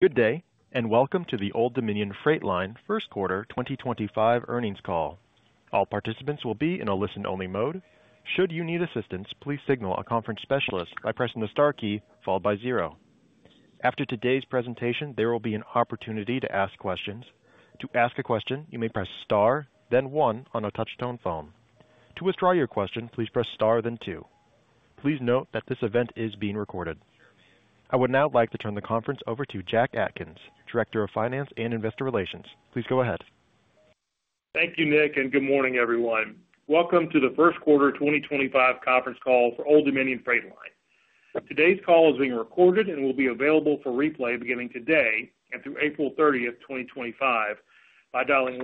Good day and welcome to the Old Dominion Freight Line first quarter 2025 earnings call. All participants will be in a listen only mode. Should you need assistance, please signal a conference specialist by pressing the star key followed by zero. After today's presentation, there will be an opportunity to ask questions. To ask a question, you may press star, then one on a touchtone phone. To withdraw your question, please press star then two. Please note that this event is being recorded. I would now like to turn the conference over to Jack Atkins, Director of Finance and Investor Relations. Please go ahead. Thank you, Nick. Good morning, everyone. Welcome to the first quarter 2025 conference call for Old Dominion Freight Line. Today's call is being recorded and will be available for replay beginning today and through April 30, 2025, by dialing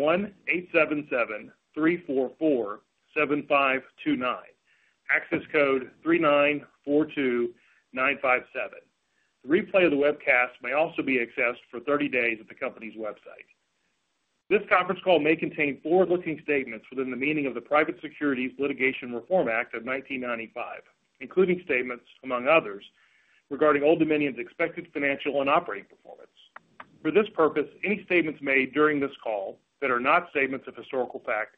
1-877-344-7529, access code 394-2957. The replay of the webcast may also be accessed for 30 days at the company's website. This conference call may contain forward looking statements within the meaning of the Private Securities Litigation Reform Act of 1995, including statements, among others, regarding Old Dominion's expected financial and operating performance. For this purpose, any statements made during this call that are not statements of historical fact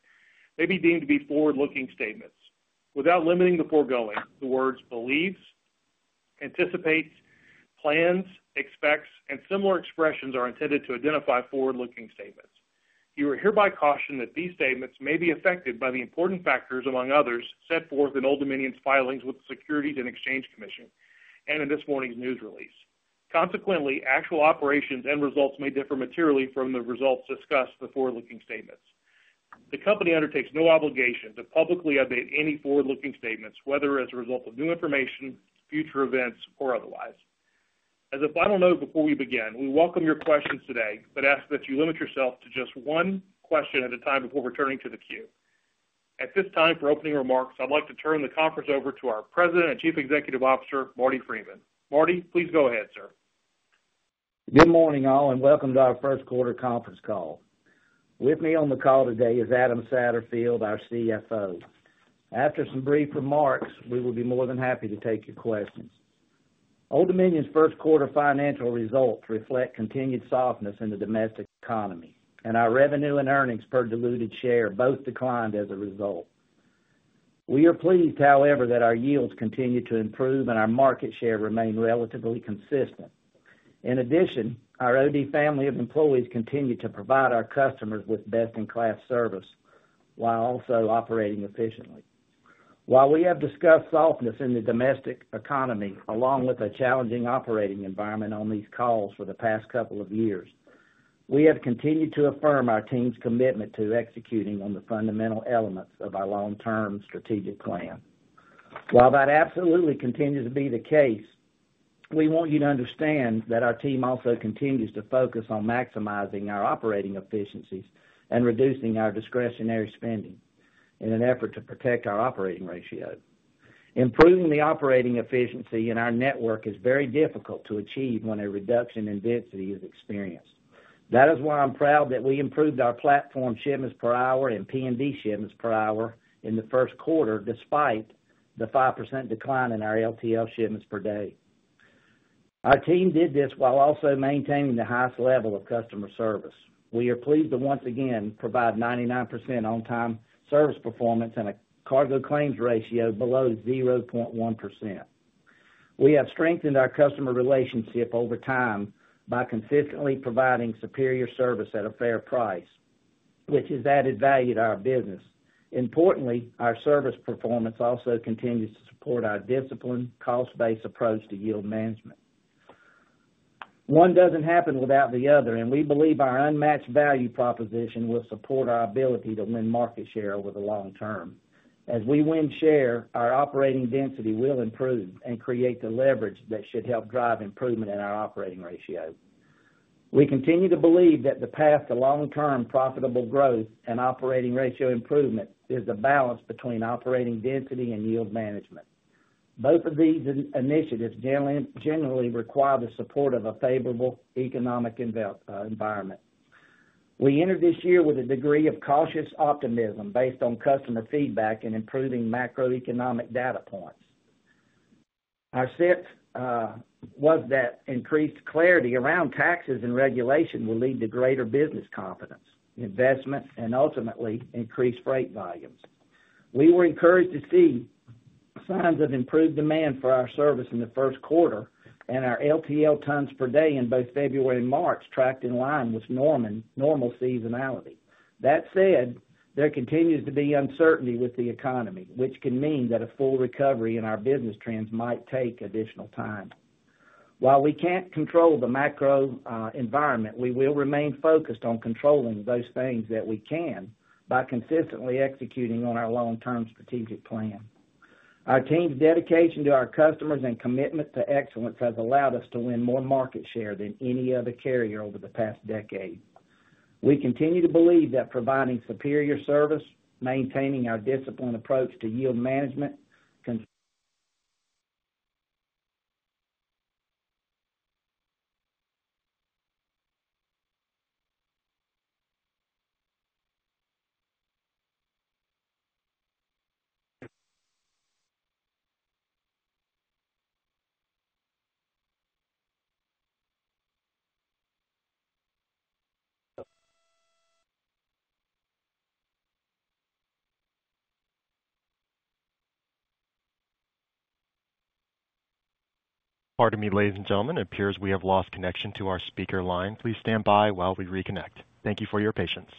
may be deemed to be forward looking statements. Without limiting the foregoing, the words believes, anticipates, plans, expects and similar expressions are intended to identify forward looking statements. You are hereby cautioned that these statements may be affected by the important factors, among others, set forth in Old Dominion's filings with the Securities and Exchange Commission and in this morning's news release. Consequently, actual operations and results may differ materially from the results discussed in the forward looking statements. The Company undertakes no obligation to publicly update any forward looking statements, whether as a result of new information, future events or otherwise. As a final note before we begin, we welcome your questions today, but ask that you limit yourself to just one question at a time before returning to the queue. At this time for opening remarks, I'd like to turn the conference over to our President and Chief Executive Officer, Marty Freeman. Marty? Please go ahead, sir. Good morning, all, and welcome to our first quarter conference call. With me on the call today is Adam Satterfield, our CFO. After some brief remarks, we will be more than happy to take your questions. Old Dominion's first quarter financial results reflect continued softness in the domestic economy and our revenue and earnings per diluted share both declined as a result. We are pleased, however, that our yields continue to improve and our market share remain relatively consistent. In addition, our OD Family of employees continue to provide our customers with best in class service while also operating efficiently. While we have discussed softness in the domestic economy along with a challenging operating environment on these calls for the past couple of years, we have continued to affirm our team's commitment to executing on the fundamental elements of our long term strategic plan. While that absolutely continues to be the case, we want you to understand that our team also continues to focus on maximizing our operating efficiencies and reducing our discretionary spending in an effort to protect our operating ratio. Improving the operating efficiency in our network is very difficult to achieve when a reduction in density is experienced. That is why I'm proud that we improved our platform shipments per hour and P&D shipments per hour in the first quarter. Despite the 5% decline in our LTL shipments per day, our team did this while also maintaining the highest level of customer service. We are pleased to once again provide 99% on-time service performance and a cargo claims ratio below 0.1%. We have strengthened our customer relationship over time by consistently providing superior service at a fair price, which has added value to our business. Importantly, our service performance also continues to support our disciplined cost based approach to yield management. One doesn't happen without the other and we believe our unmatched value proposition will support our ability to win market share. Over the long term. As we win share, our operating density will improve and create the leverage that should help drive improvement in our operating ratio. We continue to believe that the path to long term profitable growth and operating ratio improvement is the balance between operating density and yield management. Both of these initiatives generally require the support of a favorable economic environment. We entered this year with a degree of cautious optimism based on customer feedback and improving macroeconomic data points. Our sense was that increased clarity around taxes and regulation will lead to greater business confidence, investment and ultimately increased freight volumes. We were encouraged to see signs of improved demand for our service in the first quarter and our LTL tons per day in both February and March tracked in line with normal seasonality. That said, there continues to be uncertainty with the economy, which can mean that a full recovery in our business trends might take additional time. While we can't control the macro environment, we will remain focused on controlling those things that we can by consistently executing on our long term strategic plan. Our team's dedication to our customers and commitment to excellence has allowed us to win more market share than any other carrier over the past decade. We continue to believe that providing superior service, maintaining our disciplined approach to yield management can. Pardon me. Ladies and gentlemen, it appears we have lost connection to our speaker line. Please stand by while we reconnect. Thank you for your patience.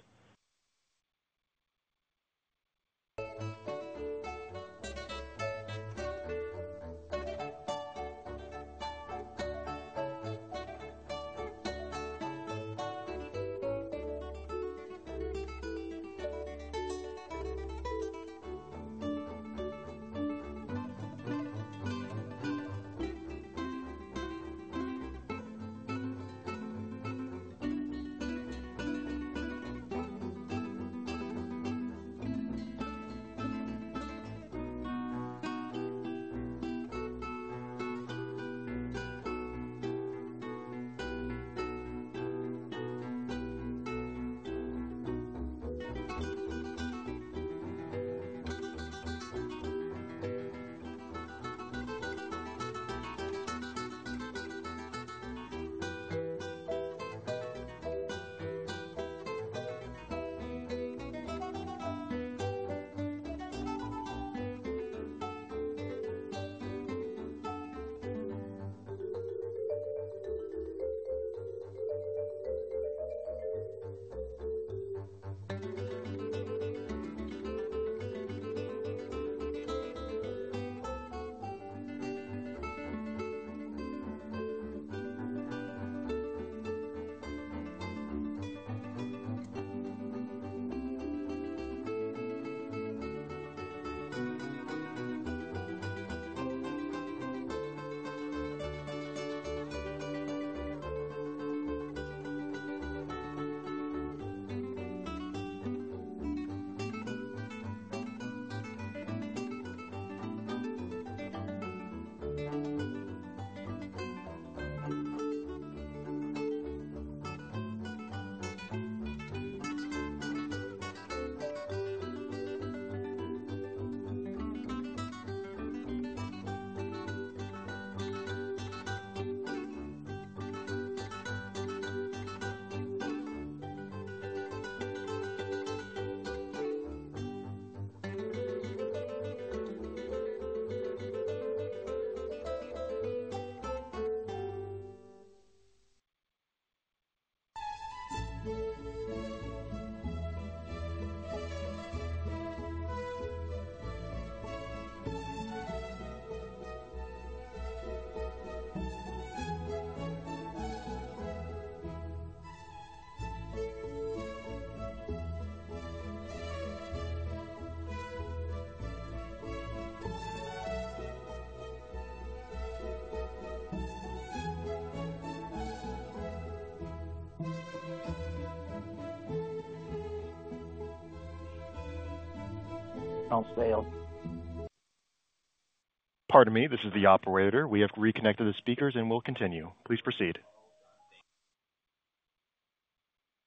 Pardon me, this is the operator. We have reconnected the speakers and will continue. Please proceed.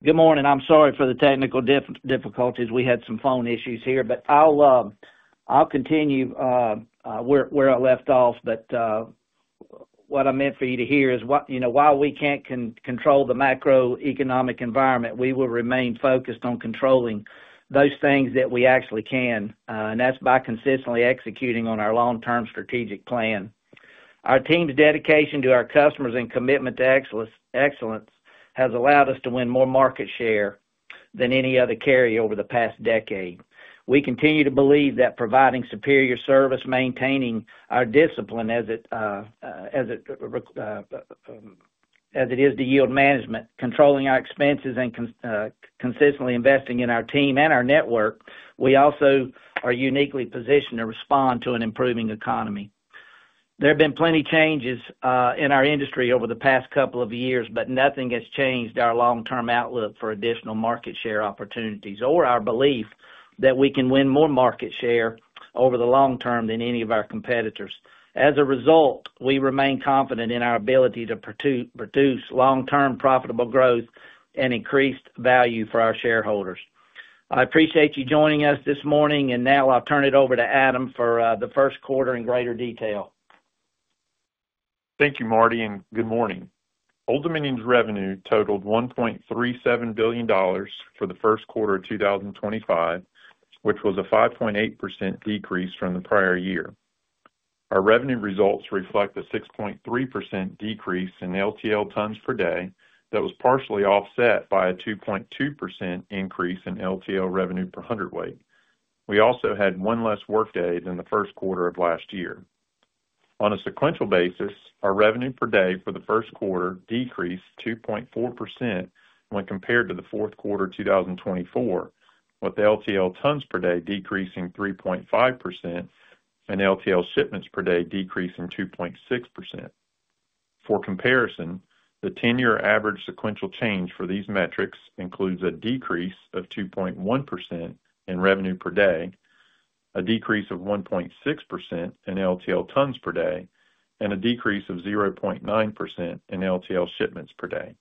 Good morning. I'm sorry for the technical difficulties. We had some phone issues here. I'll continue where I left off. What I meant for you to hear is what you know. While we can't control the macroeconomic environment, we will remain focused on controlling those things that we actually can. That is by consistently executing on our long term strategic plan. Our team's dedication to our customers and commitment to excellence has allowed us to win more market share than any other carrier over the past decade. We continue to believe that providing superior service, maintaining our discipline as it is. It. As it is to yield management, controlling our expenses and consistently investing in our team and our network, we also are uniquely positioned to respond to an improving economy. There have been plenty changes in our industry over the past couple of years, but nothing has changed our long term outlook for additional market share opportunities or our belief that we can win more market share over the long term than any of our competitors. As a result, we remain confident in our ability to produce long term profitable growth and increased value for our shareholders. I appreciate you joining us this morning. I will now turn it over to Adam for the first quarter in greater detail. Thank you, Marty and good morning. Old Dominion's revenue totaled $1.37 billion for the first quarter 2025, which was a 5.8% decrease from the prior year. Our revenue results reflect a 6.3% decrease in LTL tons per day. That was partially offset by a 2.2% increase in LTL revenue per hundredweight. We also had one less workday than the first quarter of last year on a sequential basis. Our revenue per day for the first quarter decreased 2.4% when compared to the fourth quarter 2024, with LTL tons per day decreasing 3.5% and LTL shipments per day decreasing 2.6%. For comparison, the 10-year average sequential change for these metrics includes a decrease of 2.1% in revenue per day, a decrease of 1.6% in LTL tons per day, and a decrease of 0.9% in LTL shipments per day.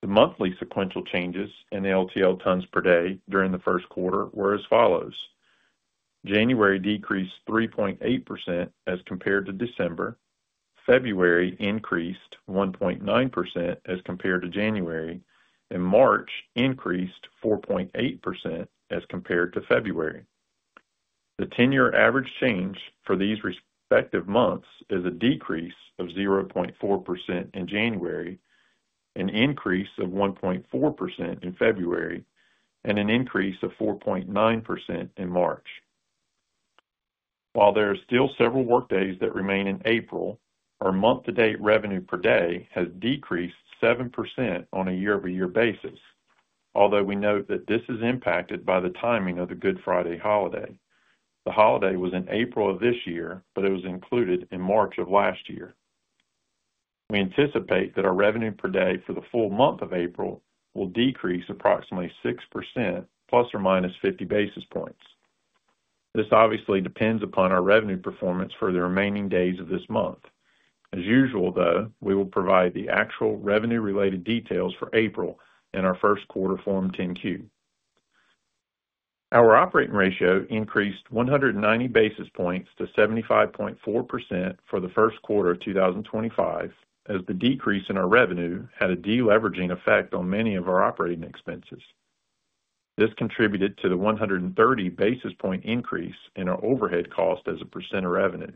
The monthly sequential changes in LTL tons per day during the first quarter were as follows. January decreased 3.8% as compared to December, February increased 1.9% as compared to January, and March increased 4.8% as compared to February. The 10-year average change for these respective months is a decrease of 0.4% in January, an increase of 1.4% in February, and an increase of 4.9% in March. While there are still several workdays that remain in April, our month-to-date revenue per day has decreased 7% on a year-over-year basis. Although we note that this is impacted by the timing of the Good Friday holiday, the holiday was in April of this year, but it was included in March of last year. We anticipate that our revenue per day for the full month of April will decrease approximately 6% plus or minus 50 basis points. This obviously depends upon our revenue performance for the remaining days of this month. As usual though, we will provide the actual revenue related details for April in our first quarter Form 10-Q. Our operating ratio increased 190 basis points to 75.4% for the first quarter of 2025 as the decrease in our revenue had a deleveraging effect on many of our operating expenses. This contributed to the 130 basis point increase in our overhead cost as a percent of revenue.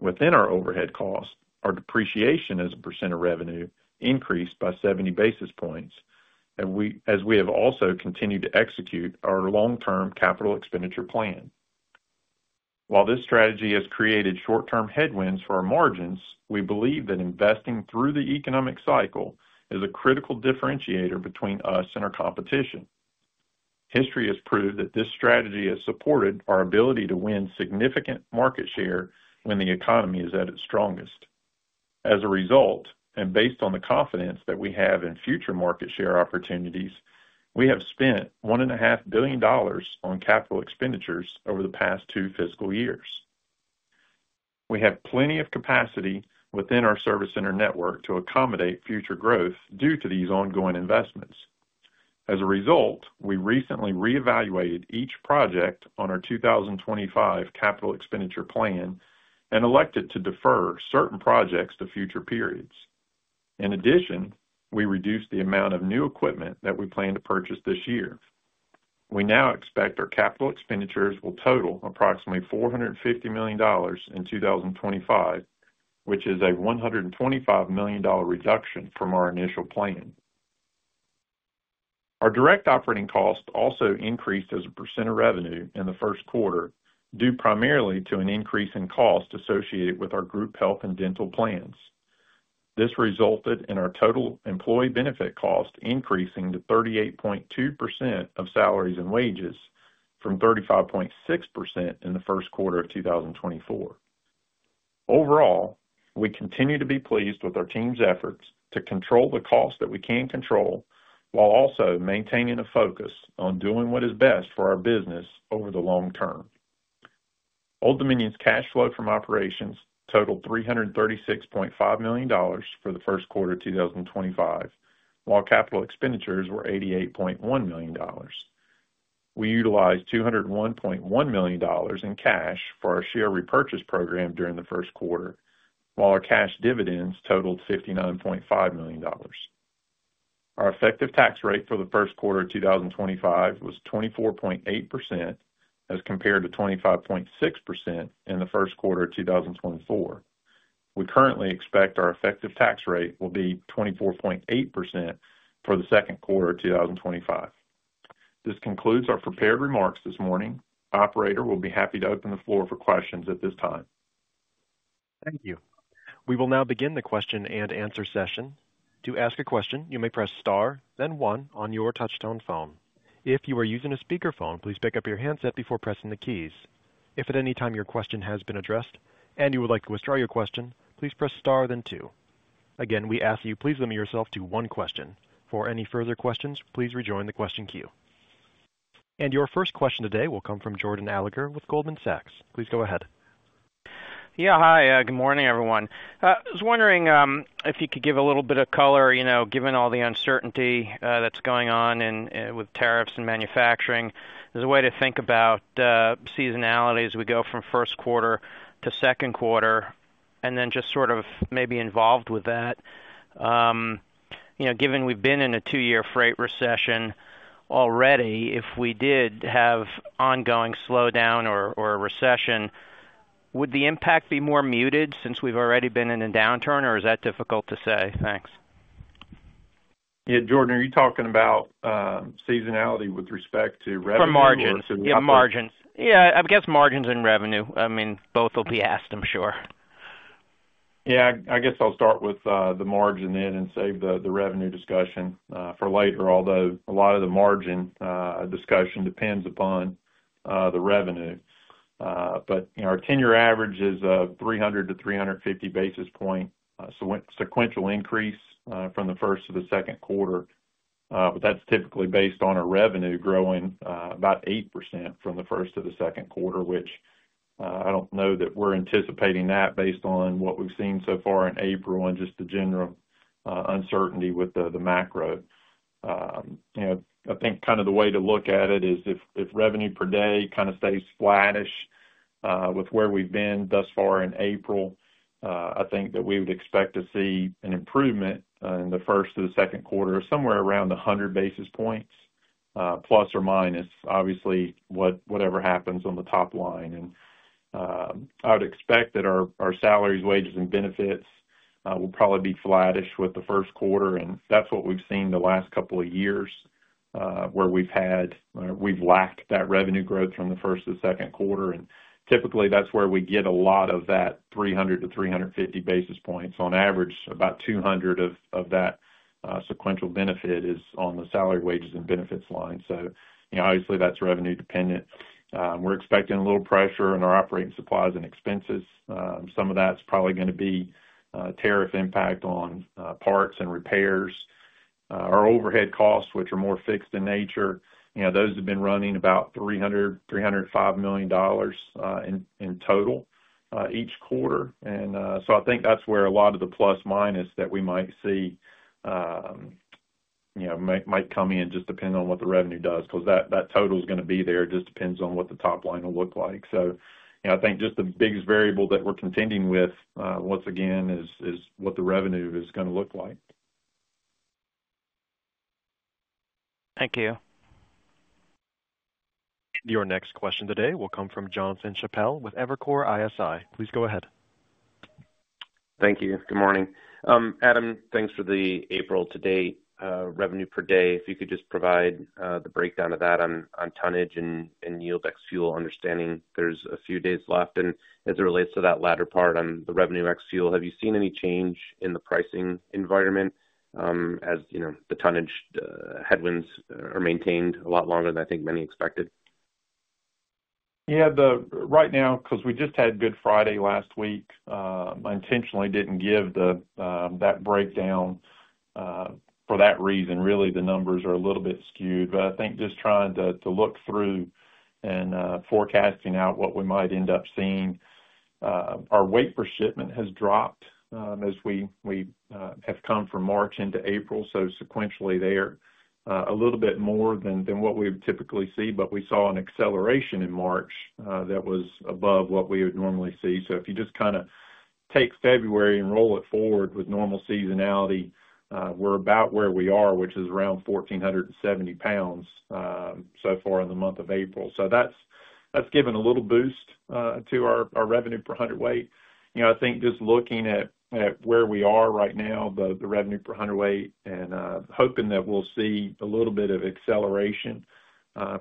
Within our overhead cost, our depreciation as a percent of revenue increased by 70 basis points as we have also continued to execute our long term capital expenditure plan. While this strategy has created short term headwinds for our margins, we believe that investing through the economic cycle is a critical differentiator between us and our competition. History has proved that this strategy has supported our ability to win significant market share when the economy is at its strongest. As a result, and based on the confidence that we have in future market share opportunities, we have spent $1.5 billion on capital expenditures over the past two fiscal years. We have plenty of capacity within our service center network to accommodate future growth due to these ongoing investments. As a result, we recently re-evaluated each project on our 2025 capital expenditure plan and elected to defer certain projects to future periods. In addition, we reduced the amount of new equipment that we plan to purchase this year. We now expect our capital expenditures will total approximately $450 million in 2025, which is a $125 million reduction from our initial plan. Our direct operating cost also increased as a percent of revenue in the first quarter due primarily to an increase in cost associated with our group health and dental plans. This resulted in our total employee benefit cost increasing to 38.2% of salaries and wages from 35.6% in the first quarter of 2024. Overall, we continue to be pleased with our team's efforts to control the costs that we can control while also maintaining a focus on doing what is best for our business over the long term. Old Dominion's cash flow from operations totaled $336.5 million for the first quarter 2025, while capital expenditures were $88.1 million. We utilized $201.1 million in cash for our share repurchase program during the first quarter, while our cash dividends totaled $59.5 million. Our effective tax rate for the first quarter 2025 was 24.8% as compared to 25.6% in the first quarter 2024. We currently expect our effective tax rate will be 24.8% for the second quarter 2025. This concludes our prepared remarks this morning. Operator, we will be happy to open the floor for questions at this time. Thank you. We will now begin the question and answer session. To ask a question, you may press star then one on your touchtone phone. If you are using a speakerphone, please pick up your handset before pressing the keys. If at any time your question has been addressed and you would like to withdraw your question, please press star then two. Again, we ask you, please limit yourself to one question. For any further questions, please rejoin the question queue and your first question today will come from Jordan Alliger with Goldman Sachs. Please go ahead. Yeah, hi, good morning everyone. I was wondering if you could give a little bit of color, you know, given all the uncertainty that's going on with tariffs and manufacturing. Is there to think about seasonality as we go from first quarter to second quarter and then just sort of maybe involved with that? You know, given we've been in a two year freight recession already, if we did have ongoing slowdown or a recession, would the impact be more muted since we've already been in a downturn? Is that difficult to say? Thanks, Jordan. Are you talking about seasonality with respect? To revenue for margins? Yeah, margins. Yeah, I guess margins and revenue, I mean both will be asked, I'm sure. Yeah, I guess I'll start with the margin then and save the revenue discussion for later. Although a lot of the margin discussion depends upon the revenue. Our 10 year average is 300-350 basis point sequential increase from the first to the second quarter. That's typically based on our revenue growing about 8% from the first to the second quarter, which I don't know that we're anticipating that based on what we've seen so far in April and just the general uncertainty with the macro. I think kind of the way to look at it is if revenue per day kind of stays flattish with where we've been thus far in April, I think that we would expect to see an improvement in the first to the second quarter, somewhere around 100 basis points, plus or minus, obviously whatever happens on the top line. I would expect that our salaries, wages and benefits will probably be flattish with the first quarter. That is what we have seen the last couple of years where we have lacked that revenue growth from the first to second quarter. Typically that is where we get a lot of that 300-350 basis points; on average about 200 of that sequential benefit is on the salary, wages and benefits line. Obviously that is revenue dependent. We are expecting a little pressure on our operating supplies and expenses. Some of that is probably going to be tariff impact on parts and repairs. Our overhead costs, which are more fixed in nature, have been running about $300-$305 million in total each quarter. I think that's where a lot of the plus minus that we might see, you know, might come in, just depending on what the revenue does. Because that total is going to be there, just depends on what the top line will look like. I think just the biggest variable that we're contending with once again is what the revenue is going to look like. Thank you. Your next question today will come from Jonathan Chappell with Evercore ISI. Please go ahead. Thank you. Good morning Adam. Thanks. For the April to date revenue per day, if you could just provide the breakdown of that on tonnage and yield ex fuel understanding there's a few days left and as it relates to that latter part on the revenue ex fuel, have you seen any change in the pricing environment? As you know the tonnage headwinds are maintained a lot longer than I think many expected. Yeah, right now because we just had Good Friday last week intentionally didn't give that breakdown for that reason really the numbers are a little bit skewed. I think just trying to look through and forecasting out what we might end up seeing. Our weight per shipment has dropped as we have come from March into April. Sequentially there's a little bit more than what we typically see. We saw an acceleration in March that was above what we would normally see. If you just kind of take February and roll it forward with normal seasonality, we're about where we are, which is around 1,470 lbs so far in the month of April, so that's given a little boost to our revenue per hundredweight. I think just looking at where we are right now, the revenue per hundredweight and hoping that we'll see a little bit of acceleration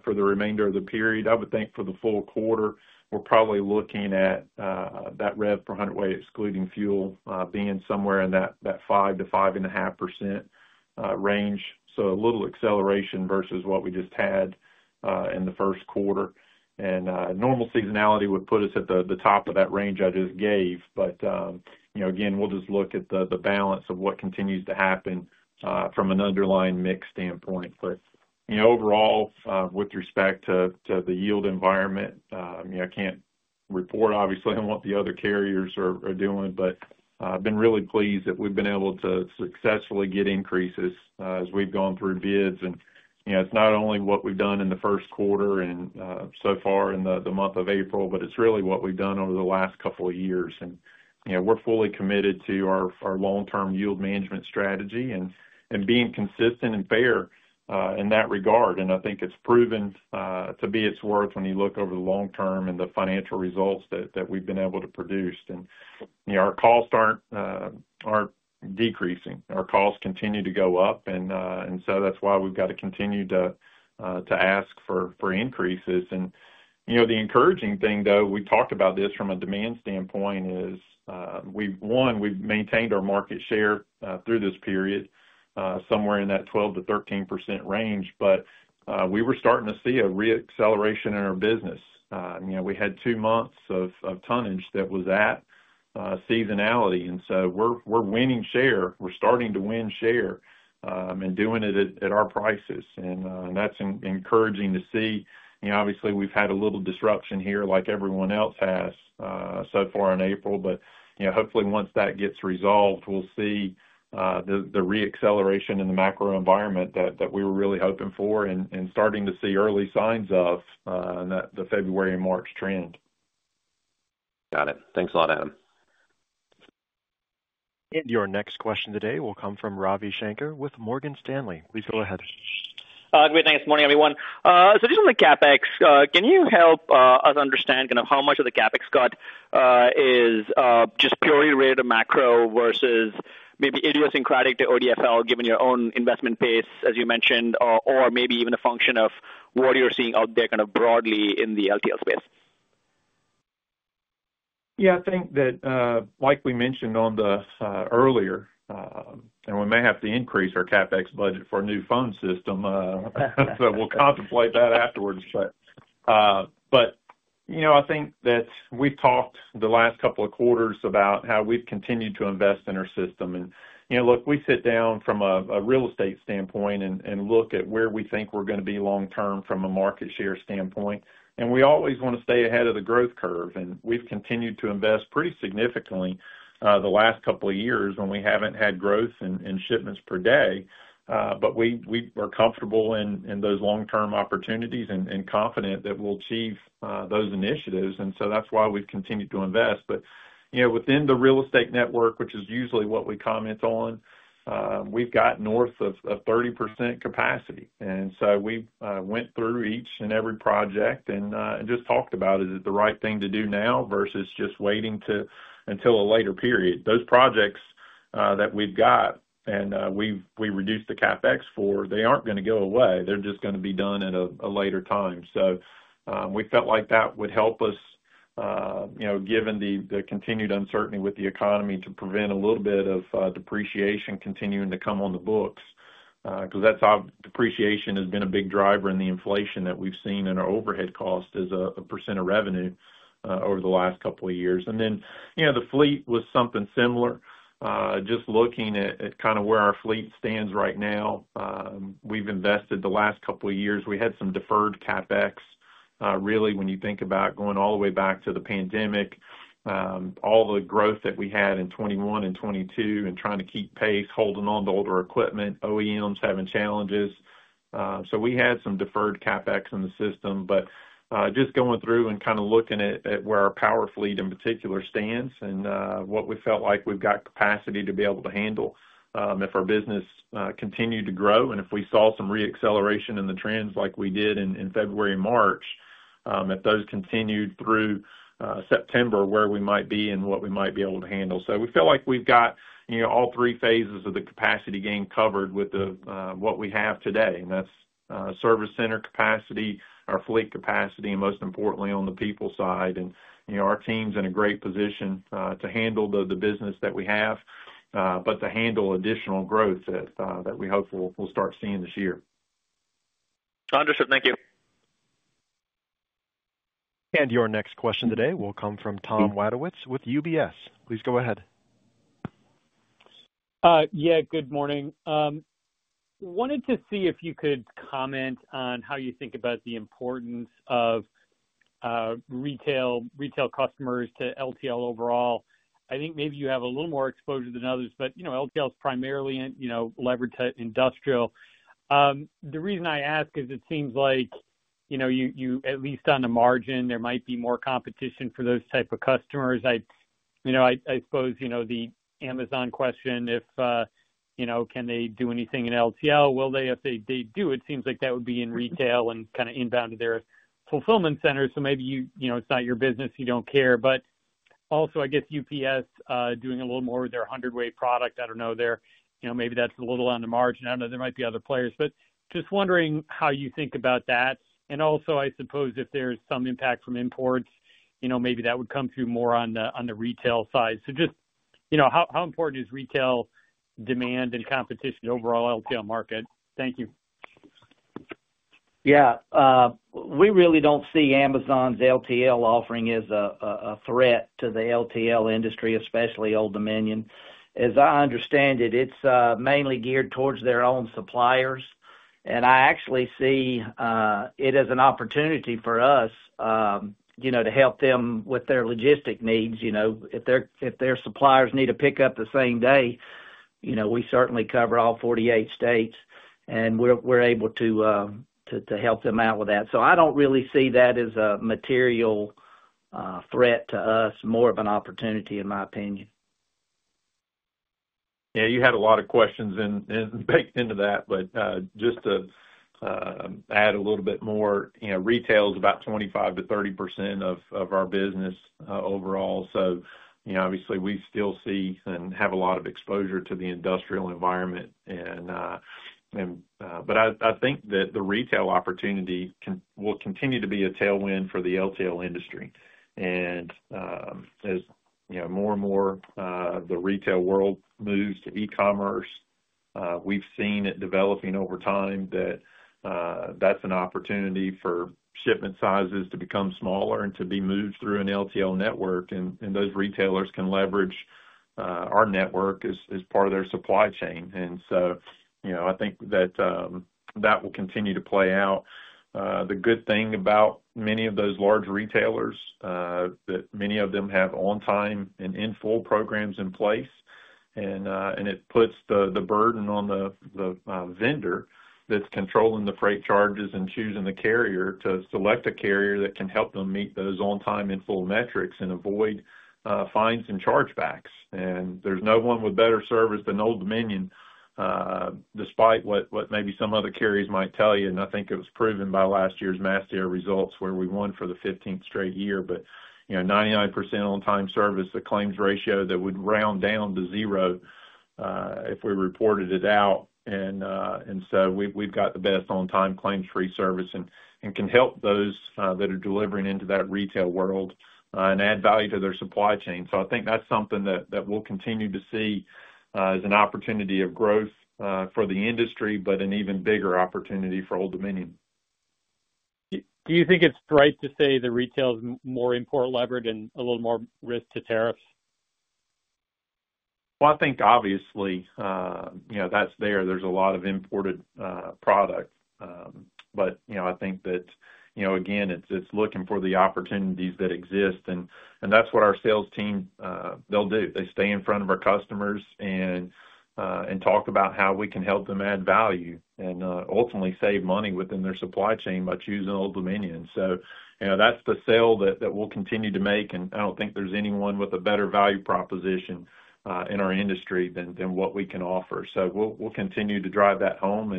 for the remainder of the period, I would think for the full quarter we're probably looking at that revenue per hundredweight excluding fuel being somewhere in that 5%-5.5% range. A little acceleration versus what we just had in the first quarter and normal seasonality would put us at the top of that range I just gave. Again, we will just look at the balance of what continues to happen from an underlying mix standpoint. Overall, with respect to the yield environment, I cannot report obviously on what the other carriers are doing, but I have been really pleased that we have been able to successfully get increases as we have gone through bids. It is not only what we have done in the first quarter and so far in the month of April, but it is really what we have done over the last couple of years. We're fully committed to our long term yield management strategy and being consistent and fair in that regard, and I think it's proven to be its worth when you look over the long term and the financial results that we've been able to produce. Our costs aren't decreasing, our costs continue to go up, and that's why we've got to continue to ask for increases. You know, the encouraging thing though, we talked about this from a demand standpoint, is we, one, we've maintained our market share through this period somewhere in that 12-13% range, but we were starting to see a reacceleration in our business. You know, we had two months of tonnage that was at seasonality, and so we're, we're winning share, we're starting to win share and doing it at our prices, and that's encouraging to see. Obviously we've had a little disruption here like everyone else has so far in April, but hopefully once that gets resolved we'll see the reacceleration in the macro environment that we were really hoping for. Starting to see early signs of the February and March trend. Got it. Thanks a lot, Adam. Your next question today will come from Ravi Shankar with Morgan Stanley. Please go ahead. Morning everyone. Just on the CapEx, can you help us understand kind of how much of the CapEx cut is just purely related to macro versus maybe idiosyncratic to ODFL. Given your own investment pace, as you. Mentioned, or maybe even a function of. What you're seeing out there kind of broadly in the LTL space. Yeah, I think that like we mentioned on the side earlier and we may have to increase our CapEx budget for a new phone system so we'll contemplate that afterwards. But you know, I think that we've talked the last couple of quarters about how we've continued to invest in our system and you know, look, we sit down from a real estate standpoint and look at where we think we're going to be long term from a market share standpoint and we always want to stay ahead of the growth curve and we've continued to invest pretty significantly the last couple of years when we haven't had growth in shipments per day. But we are comfortable in those long term opportunities and confident that we'll achieve those initiatives and so that's why we've continued to invest. Within the real estate network, which is usually what we comment on, we've got north of 30% capacity and we went through each and every project and just talked about is it the right thing to do now versus just waiting until a later period. Those projects that we've got and we reduce the CapEx for, they aren't going to go away, they're just going to be done at a later time. We felt like that would help us, given the continued uncertainty with the economy, to prevent a little bit of depreciation continuing to come on the books. Depreciation has been a big driver in the inflation that we've seen in our overhead cost as a percent of revenue over the last couple of years and the fleet was something similar. Just looking at kind of where our fleet stands right now, we've invested the last couple of years, we had some deferred CapEx really when you think about going all the way back to the pandemic, all the growth that we had in 2021 and 2022 and trying to keep pace, holding on to older equipment, OEMs having challenges. We had some deferred CapEx in the system, but just going through and kind of looking at where our power fleet in particular stands and what we felt like, we've got quite a few capacity to be able to handle if our business continued to grow and if we saw some reacceleration in the trends like we did in February, March, if those continued through September, where we might be and what we might be able to handle. We feel like we've got all three phases of the capacity gain covered with what we have today and that's service center capacity, our fleet capacity, and most importantly on the people side. Our team's in a great position to handle the business that we have, but to handle additional growth that we hope we'll start seeing this year. Understood, thank you. Your next question today will come from Tom Wadewitz with UBS. Please go ahead. Yeah, good morning. Wanted to see if you could comment on how you think about the importance of, of retail, retail customers to LTL. Overall. I think maybe you have a little more exposure than others, but you know, LTL is primarily, you know, levered to industrial. The reason I ask is it seems like, you know, you, at least on the margin there might be more competition for those type of customers. I, you know, I suppose, you know, the Amazon question, if, you know, can they do anything in LTL, will they, if they do, it seems like that would be in retail and kind of inbound to their fulfillment center. Maybe you, you know, it's not your business, you don't care. Also, I guess UPS doing a little more with their 100 way product. I don't know there, you know, maybe that's a little on the margin. I know there might be other players, but just wondering how you think about that. I suppose if there's some impact from imports, you know, maybe that would come through more on the retail side. Just, you know, how important is retail demand and competition overall in the LTL market? Thank you. Yeah, we really don't see Amazon's LTL offering as a threat to the LTL industry, especially Old Dominion. As I understand it, it's mainly geared towards their own suppliers. I actually see it as an opportunity for us, you know, to help them with their logistic needs. You know, if their suppliers need to pick up the same day. We certainly cover all 48 states and we're able to help them out with that. I don't really see that as a material threat to us. More of an opportunity, in my opinion. Yeah, you had a lot of questions baked into that. Just to add a little bit more, you know, retail is about 25-30% of our business overall. You know, obviously we still see and have a lot of exposure to the industrial environment. I think that the retail opportunity will continue to be a tailwind for the LTL industry. As more and more the retail world moves to E-commerce, we've seen it developing over time that that's an opportunity for shipment sizes to become smaller and to be moved through an LTL network. Those retailers can leverage our network as part of their supply chain. You know, I think that that will continue to play out. The good thing about many of those large retailers is that many of them have on time and in full programs in place. It puts the burden on the vendor that is controlling the freight charges and choosing the carrier to select a carrier that can help them meet those on time and full metrics and avoid fines and chargebacks. There is no one with better service than Old Dominion, despite what maybe some other carriers might tell you. I think it was proven by last year's Mass Air results where we won for the 15th straight year. You know, 99% on time service, the claims ratio that would round down to zero if we reported it out. We have the best on time claims, free service and can help those that are delivering into that retail world and add value to their supply chain. I think that's something that we'll continue to see as an opportunity of growth for the industry, but an even bigger opportunity for Old Dominion. Do you think it's right to say the retail is more import levered and a little more risk to tariffs? I think obviously you know, that's there, there's a lot of imported products. But you know, I think that again, it's looking for the opportunities that exist. That's what our sales team, they'll do. They stay in front of our customers and talk about how we can help them add value and ultimately save money within their supply chain by choosing Old Dominion. That's the sale that we'll continue to make. I don't think there's anyone with a better value proposition in our industry than what we can offer. We'll continue to drive that home.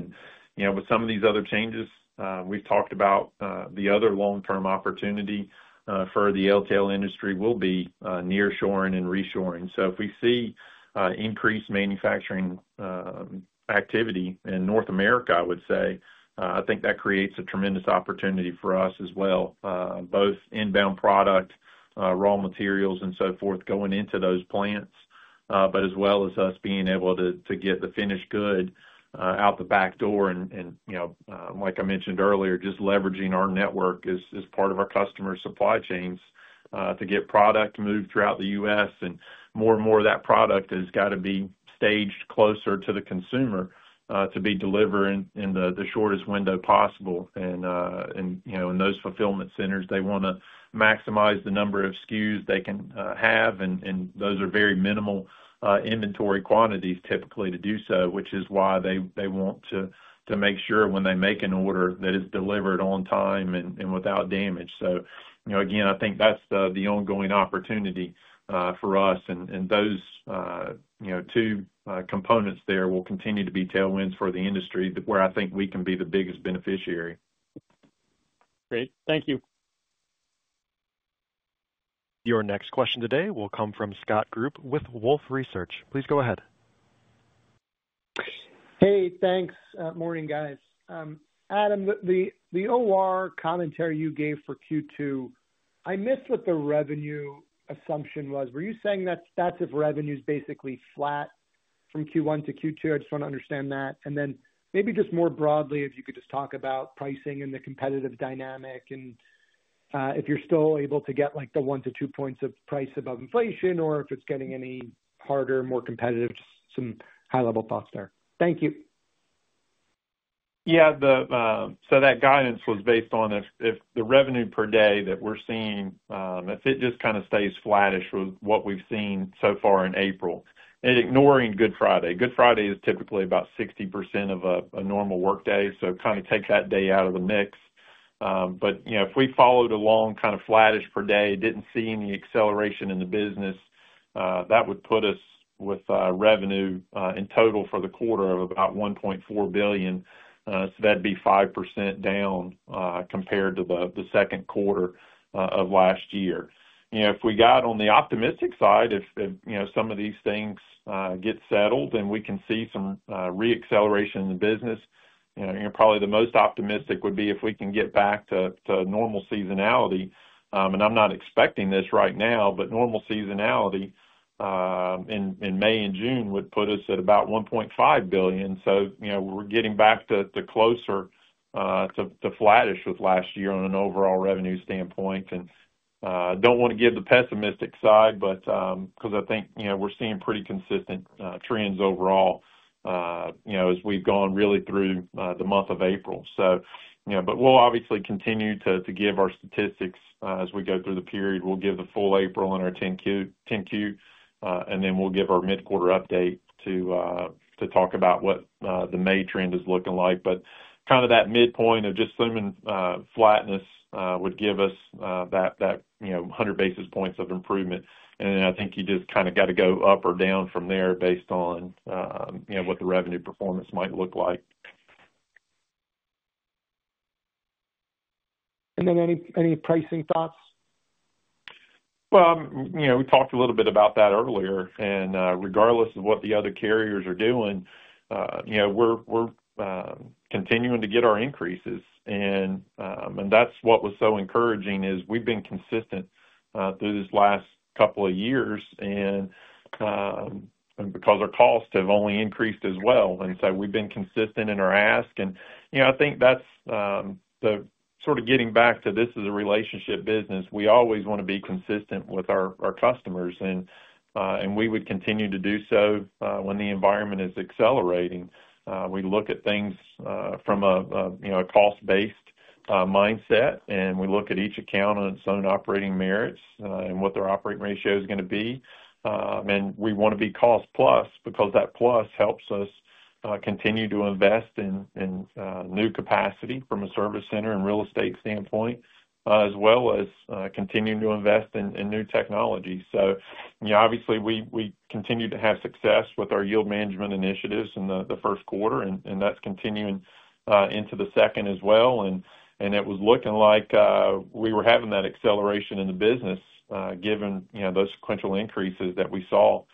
You know, with some of these other changes we've talked about, the other long term opportunity for the LTL industry will be near shoring and reshoring. If we see increased manufacturing activity in North America, I would say I think that creates a tremendous opportunity for us as well, both inbound product, raw materials and so forth going into those plants. As well as us being able to get the finished good out the back door. Like I mentioned earlier, just leveraging our network as part of our customer supply chains to get product moved throughout the U.S. and more and more of that product has got to be staged closer to the consumer to be delivered in the shortest window possible. You know, in those fulfillment centers they want to maximize the number of SKUs they can have and those are very minimal inventory quantities typically to do so, which is why they want to make sure when they make an order that is delivered on time and without damage. I think that's the ongoing opportunity for us. Those two components there will continue to be tailwinds for the industry where I think we can be the biggest beneficiary. Great, thank you. Your next question today will come from Scott Group with Wolff Research. Please go ahead. Hey, thanks. Morning guys. Adam, the OR commentary you gave for Q2, I missed what the revenue assumption was. Were you saying that that's if revenue is basically flat from Q1 to Q2. I just want to understand that. Maybe just more broadly, if you could just talk about pricing and the competitive dynamic and if you're still able to get like the 1-2 points of price above inflation or if it's getting any harder, more competitive. Just some high level thoughts there. Thank you. Yeah, so that guidance was based on if the revenue per day that we're seeing, if it just kind of stays flattish with what we've seen so far in April and ignoring Good Friday. Good Friday is typically about 60% of a normal workday. So kind of take that day out of the mix. If we followed along kind of flattish per day, did not see any acceleration in the business, that would put us with revenue in total for the quarter of about $1.4 billion. That would be 5% down compared to the second quarter of last year. If we got on the optimistic side, if some of these things get settled and we can see some reacceleration in the business, probably the most optimistic would be if we can get back to normal seasonality. I'm not expecting this right now, but normal seasonality in May and June would put us at about $1.5 billion. We're getting back to closer to flattish with last year on an overall revenue standpoint and don't want to give the pessimistic side because I think we're seeing pretty consistent trends overall, you know, as we've gone really through the month of April. You know, we'll obviously continue to give our statistics as we go through the period. We'll give the full April on our 10-Q 10-Q and then we'll give our mid quarter update to talk about what the May trend is looking like. Kind of that midpoint of just slimming flatness would give us that, you know, 100 basis points of improvement. I think you just kind of got to go up or down from there based on, you know, what the revenue performance might look like. Any pricing thoughts? You know, we talked a little bit about that earlier and regardless of what the other carriers are doing, you know, we're continuing to get our increases. That's what was so encouraging is we've been consistent through this last couple of years and because our costs have only increased as well. We've been consistent in our ask. You know, I think that's the sort of getting back to this is a relationship business. We always want to be consistent with our customers and we would continue to do so when the environment is accelerating. We look at things from a, you know, a cost based mindset and we look at each account on its own operating merits and what their operating ratio is going to be. We want to be cost plus because that plus helps us continue to invest in new capacity from a service center and real estate standpoint as well as continuing to invest in new technology. Obviously, we continue to have success with our yield management initiatives in the first quarter and that is continuing into the second as well. It was looking like we were having that acceleration in the business given those sequential increases that we saw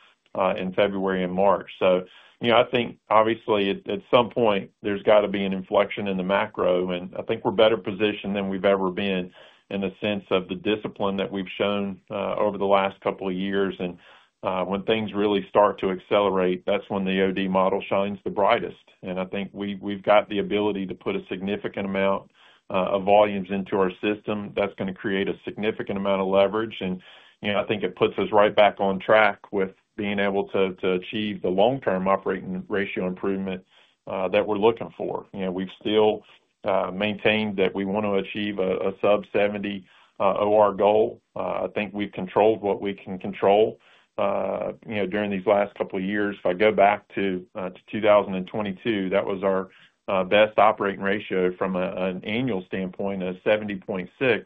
in February and March. I think obviously at some point there has got to be an inflection in the macro. I think we are better positioned than we have ever been in the sense of the discipline that we have shown over the last couple of years. When things really start to accelerate, that is when the OD model shines the brightest. I think we have the ability to put a significant amount of volumes into our system that is going to create a significant amount of leverage. I think it puts us right back on track with being able to achieve the long term operating ratio improvement that we are looking for. We have still maintained that we want to achieve a sub 70% goal. I think we have controlled what we can control during these last couple of years. If I go back to 2022, that was our best operating ratio from an annual standpoint of 70.6%.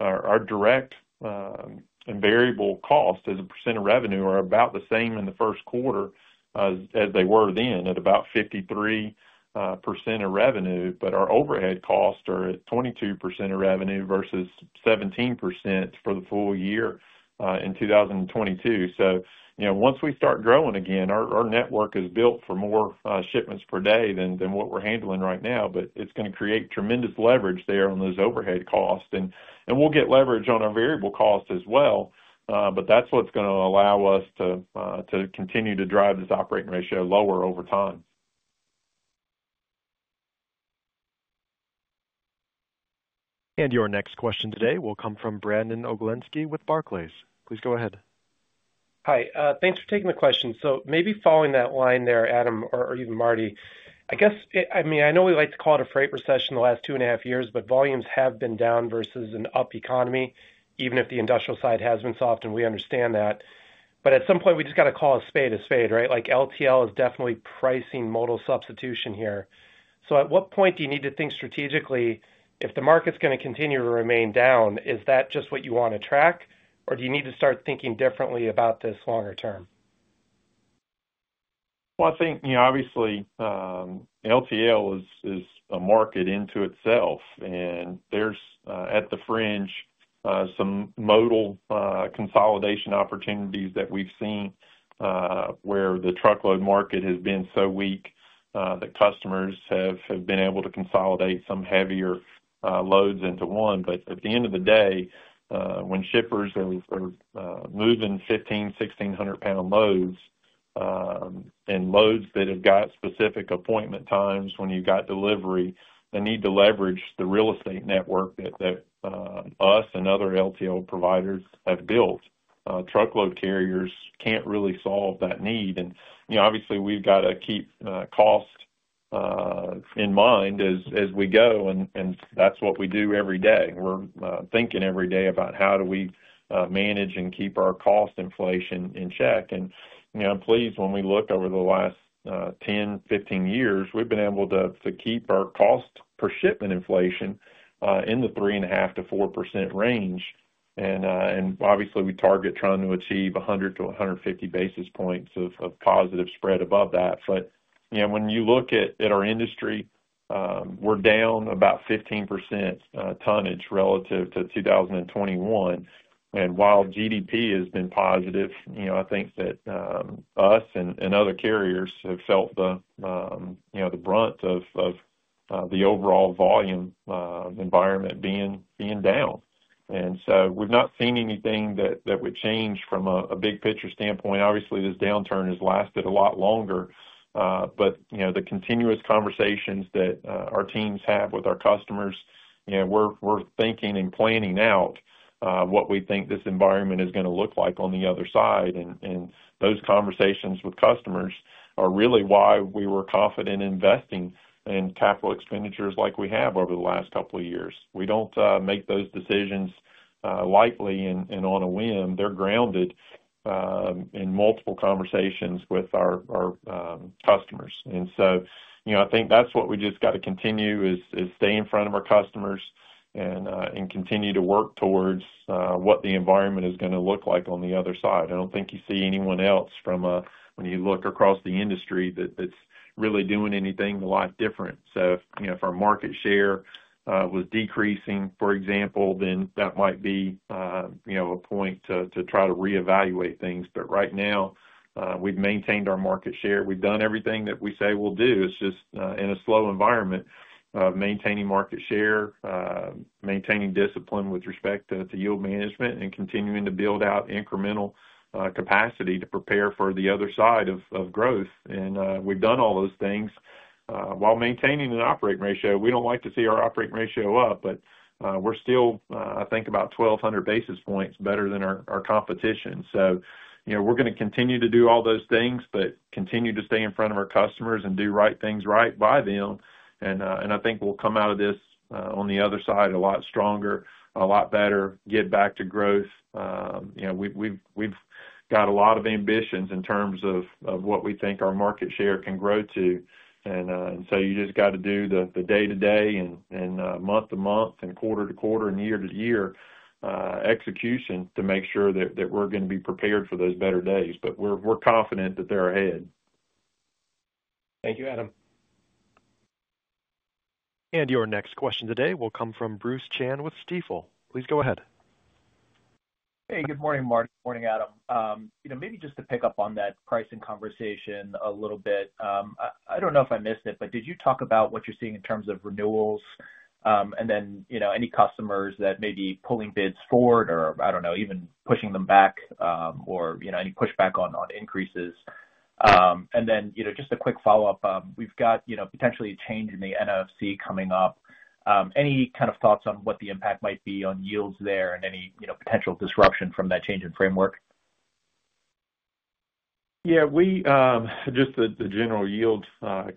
Our direct and variable cost as a percent of revenue are about the same in the first quarter as they were then at about 53% of revenue. Our overhead costs are at 22% of revenue versus 17% for the full year in 2022. You know, once we start growing again, our network is built for more shipments per day than what we're handling right now, but it's going to create tremendous leverage there on those overhead costs. We'll get leverage on our variable cost as well. That's what's going to allow us to continue to drive this operating ratio lower over time. Your next question today will come from Brandon Oglenski with Barclays. Please go ahead. Hi. Thanks for taking the question. Maybe following that line there, Adam, or even Marty, I guess, I mean, I know we like to call it a freight recession the last two and a half years, but volumes have been down versus an up economy, even if the industrial side has been soft. We understand that. At some point we just got to call a spade a spade, right? Like LTL is definitely pricing modal substitution here. At what point do you need to think strategically if the market's going to continue to remain down? Is that just what you want to. Track or do you need to start? Thinking differently about this longer term? I think obviously LTL is a market into itself and there's at the fringe some modal consolidation opportunities that we've seen where the truckload market has been so weak that customers have been able to consolidate some heavier loads into one. At the end of the day, when shippers are moving 15, 1,600 lb loads and loads that have got specific appointment times when you've got delivery, the need to leverage the real estate network that us and other LTL providers have built, truckload carriers can't really solve that need. You know, obviously we've got to keep cost in mind as we go. That's what we do every day. We're thinking every day about how do we manage and keep our cost inflation in check. Please, when we look over the last 10-15 years, we have been able to keep our cost per shipment inflation in the 3.5-4% range. Obviously, we target trying to achieve 100-150 basis points of positive spread above that. When you look at our industry, we are down about 15% tonnage relative to 2021. While GDP has been positive, I think that U.S. and other carriers have felt the brunt of the overall volume environment being down. We have not seen anything that would change from a big picture standpoint. Obviously, this downturn has lasted a lot longer. The continuous conversations that our teams have with our customers, we are thinking and planning out what we think this environment is going to look like on the other side. Those conversations with customers are really why we were confident investing in capital expenditures like we have over the last couple years. We do not make those decisions lightly and on a whim. They are grounded in multiple conversations with our customers. You know, I think that is what we just have to continue, stay in front of our customers and continue to work towards what the environment is going to look like on the other side. I do not think you see anyone else from when you look across the industry that is really doing anything a lot different. If our market share was decreasing, for example, then that might be a point to try to reevaluate things. Right now we have maintained our market share. We have done everything that we say we will do. It's just in a slow environment, maintaining market share, maintaining discipline with respect to yield management, and continuing to build out incremental capacity to prepare for the other side of growth. We've done all those things while maintaining an operating ratio. We don't like to see our operating ratio up, but we're still, I think, about 1,200 basis points better than our competition. You know, we're going to continue to do all those things, but continue to stay in front of our customers and do right things right by them. I think we'll come out of this on the other side a lot stronger, a lot better, get back to growth. You know, we've got a lot of ambitions in terms of what we think our market share can grow to. You just got to do the day to day and month to month and quarter to quarter and year to year execution to make sure that we're going to be prepared for those better days. We're confident that they're ahead. Thank you, Adam. Your next question today will come from Bruce Chan with Stifel. Please go ahead. Hey, good morning, Marty. Good morning, Adam. You know, maybe just to pick up on that pricing conversation a little bit, I don't know if I missed it. Did you talk about what you're. Seeing in terms of renewals? You know, any customers that may be pulling bids forward or, I don't know, even pushing them back, or, you know, any pushback on increases? Just a quick follow up. We've got potentially a change in the NFC coming up. Any kind of thoughts on what the impact might be on yields there and any potential disruption from that change in framework? Yeah, just the general yield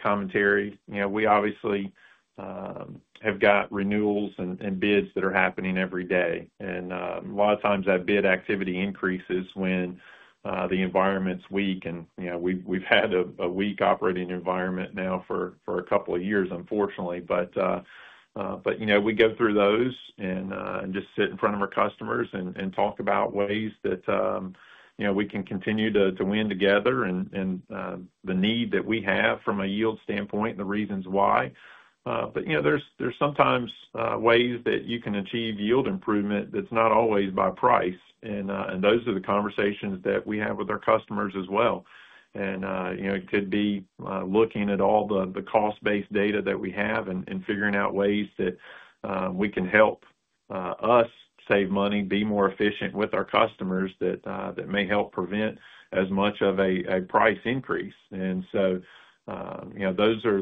commentary. We obviously have got renewals and bids that are happening every day, and a lot of times that bid activity increases when the environment's weak and we've had a weak operating environment now for a couple of years, unfortunately. We go through those and just sit in front of our customers and talk about ways that we can continue to win together and the need that we have from a yield standpoint, the reasons why. There's sometimes ways that you can achieve yield improvement that's not always by price. Those are the conversations that we have with our customers as well. You know, it could be looking at all the cost-based data that we have and figuring out ways that we can help us save money, be more efficient with our customers that may help prevent as much of a price increase. You know, those are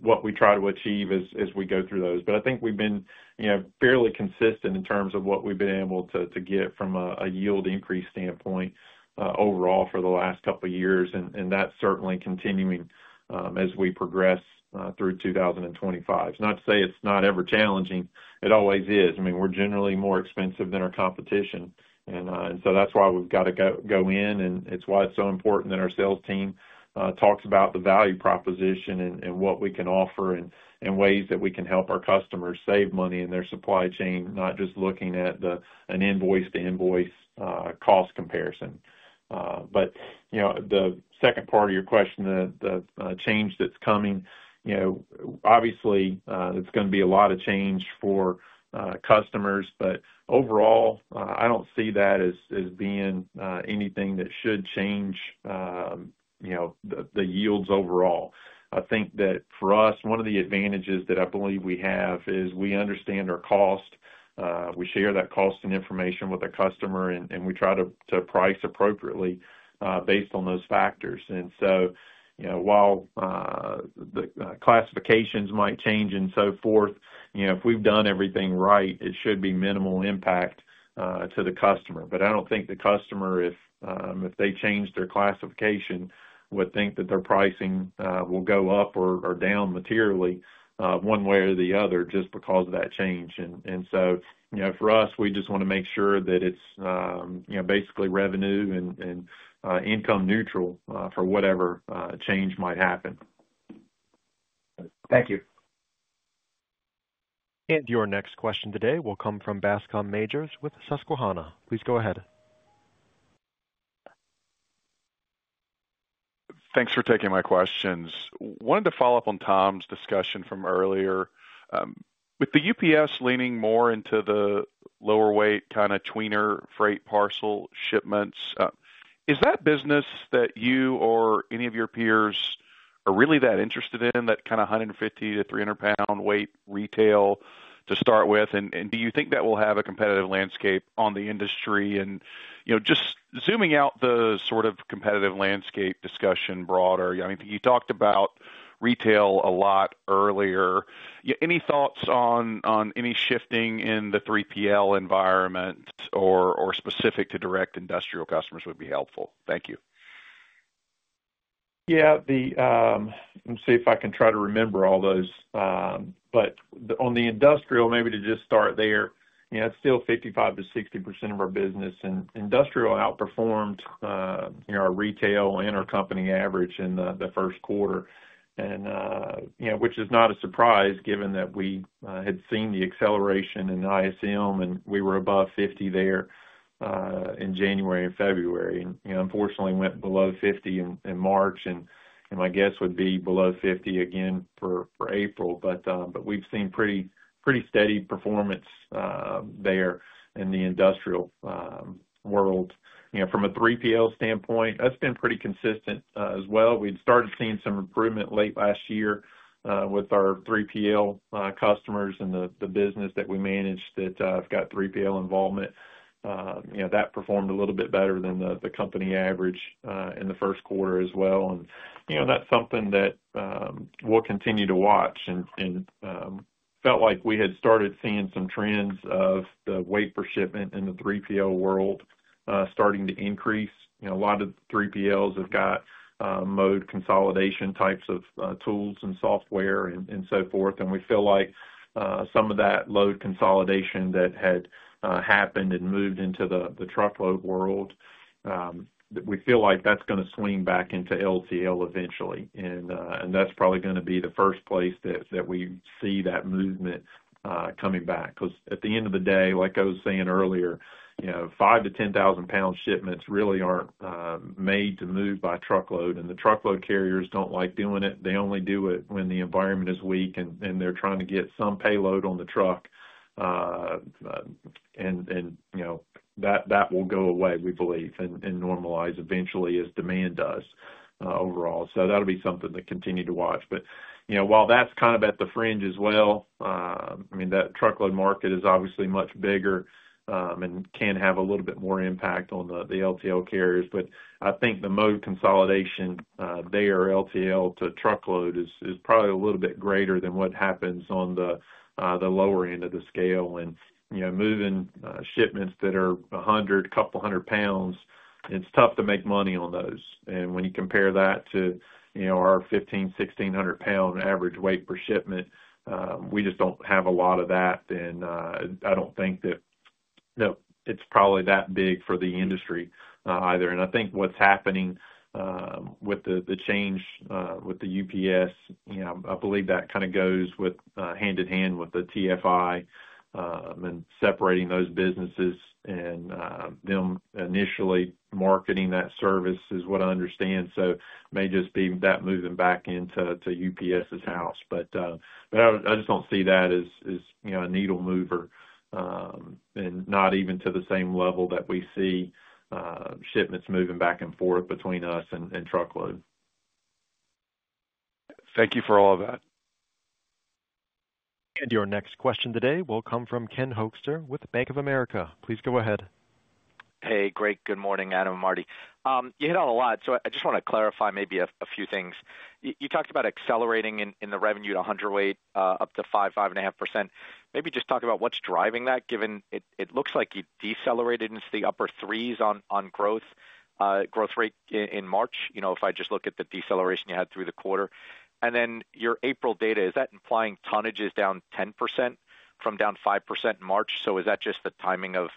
what we try to achieve as we go through those. I think we've been fairly consistent in terms of what we've been able to get from a yield increase standpoint overall for the last couple years. That is certainly continuing as we progress through 2025. Not to say it's not ever challenging, it always is. I mean, we're generally more expensive than our competition and so that's why we've got to go in and it's why it's so important that our sales team talks about the value proposition and what we can offer and ways that we can help our customers save money in their supply chain. Not just looking at the, an invoice to invoice cost comparison. You know, the second part of your question, the change that's coming, you know, obviously it's going to be a lot of change for customers, but overall I don't see that as being anything that should change, you know, the yields overall. I think that for us, one of the advantages that I believe we have is we understand our cost, we share that cost and information with the customer and we try to price appropriately based on those factors. While the classifications might change and so forth, if we've done everything right, it should be minimal impact to the customer. I don't think the customer, if they change their classification, would think that their pricing will go up or down materially one way or the other just because of that change. For us, we just want to make sure that it's basically revenue and income neutral for whatever change might happen. Thank you. Your next question today will come from Bascome Majors with Susquehanna. Please go ahead. Thanks for taking my questions. Wanted to follow up on Tom's discussion from earlier. With UPS leaning more into the lower weight kind of tweener freight parcel shipments, is that business that you or any of your peers are really that interested in, that kind of 150-300 lb weight retail to start with? Do you think that will have a competitive landscape on the industry, and just zooming out, the sort of competitive landscape discussion broader. You talked about retail a lot earlier. Any thoughts on any shifting in the 3PL environment or specific to direct industrial customers would be helpful, thank you. Yeah, let me see if I can try to remember all those. On the industrial, maybe to just start there, it's still 55-60% of our business, and industrial outperformed our retail and our company average in the first quarter. Which is not a surprise given that we had seen the acceleration in ISM and we were above 50 there in January and February. Unfortunately, went below 50 in March and my guess would be below 50 again for April. We have seen pretty steady performance there in the industrial world. From a 3PL standpoint, that has been pretty consistent as well. We had started seeing some improvement late last year with our 3PL customers and the business that we manage that have got 3PL involvement that performed a little bit better than the company average in the first quarter as well. That is something that we will continue to watch and felt like we had started seeing some trends of the weight for shipment in the 3PL world starting to increase. A lot of 3PLs have got mode consolidation types of tools and software and so forth and we feel like some of that load consolidation that had happened and moved into the truckload world, we feel like that's going to swing back into LTL eventually and that's probably going to be the first place that we see that movement coming back. Because at the end of the day, like I was saying earlier, you know, 5-10,000 pound shipments really aren't made to move by truckload. The truckload carriers don't like doing it. They only do it when the environment is weak and they're trying to get some payload on the truck. You know that that will go away we believe and normalize eventually as demand does overall. That'll be something to continue to watch. You know, while that's kind of at the fringe as well, I mean that truckload market is obviously much bigger and can have a little bit more impact on the LTL carriers. I think the mode consolidation there, LTL to truckload, is probably a little bit greater than what happens on the lower end of the scale. Moving shipments that are 100, couple hundred pounds, it's tough to make money on those. When you compare that to our 1,500-1,600 pound average weight per shipment, we just do not have a lot of that. I do not think that it is probably that big for the industry either. I think what is happening with the change with UPS, I believe that kind of goes hand in hand with TFI and separating those businesses and them initially marketing that service is what I understand. It may just be that moving back into UPS's house, but I just do not see that as a needle mover and not even to the same level that we see shipments moving back and forth between us and truckload. Thank you for all of that. Your next question today will come from Ken Hoexter with Bank of America. Please go ahead. Hey, great. Good morning, Adam. Marty, you hit on a lot. I just want to clarify maybe a few things. You talked about accelerating in the revenue to 108 up to 5-5.5%. Maybe just talk about what's driving that. Given it looks like you decelerated into the upper threes on growth rate in March. You know, if I just look at the deceleration you had through the quarter and then your April data, is that implying tonnage is down 10% from down 5% in March? Is that just the timing of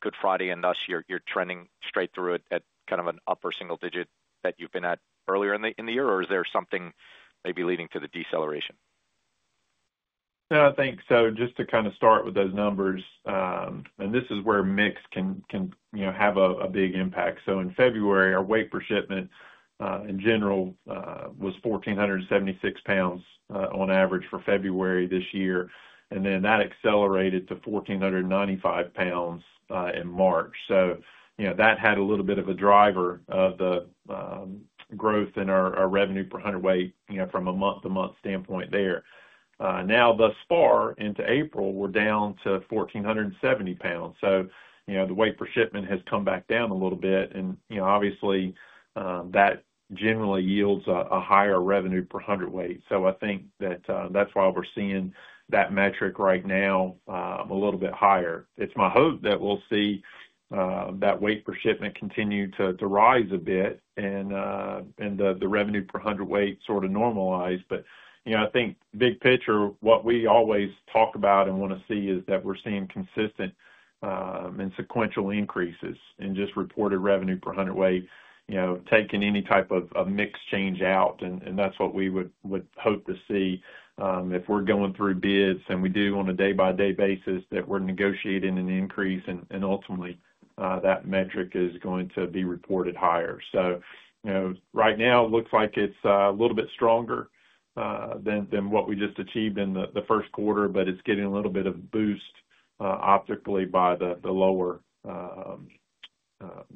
Good Friday and thus you're trending straight through it at kind of an upper single digit that you've been at earlier in the year, or is there something maybe leading to the deceleration? I think so just to kind of start with those numbers. This is where mix can have a big impact. In February, our weight per shipment in general was 1,476 lbs on average for February this year. That accelerated to 1,495 lbs in March. You know, that had a little bit of a driver of the growth in our revenue per hundredweight from a month-to-month standpoint there. Thus far into April, we are down to 1,470 lbs. The weight per shipment has come back down a little bit. Obviously that generally yields a higher revenue per hundredweight. I think that that is why we are seeing that metric right now a little bit higher. It is my hope that we will see that weight per shipment continue to rise a bit and the revenue per hundredweight sort of normalize. You know, I think big picture, what we always talk about and want to see is that we're seeing consistent and sequential increases in just reported revenue per hundredweight, you know, taking any type of mix change out. That's what we would hope to see if we're going through bids and we do on a day-by-day basis that we're negotiating an increase. Ultimately that metric is going to be reported higher. You know, right now it looks like it's a little bit stronger than what we just achieved in the first quarter, but it's getting a little bit of boost optically by the lower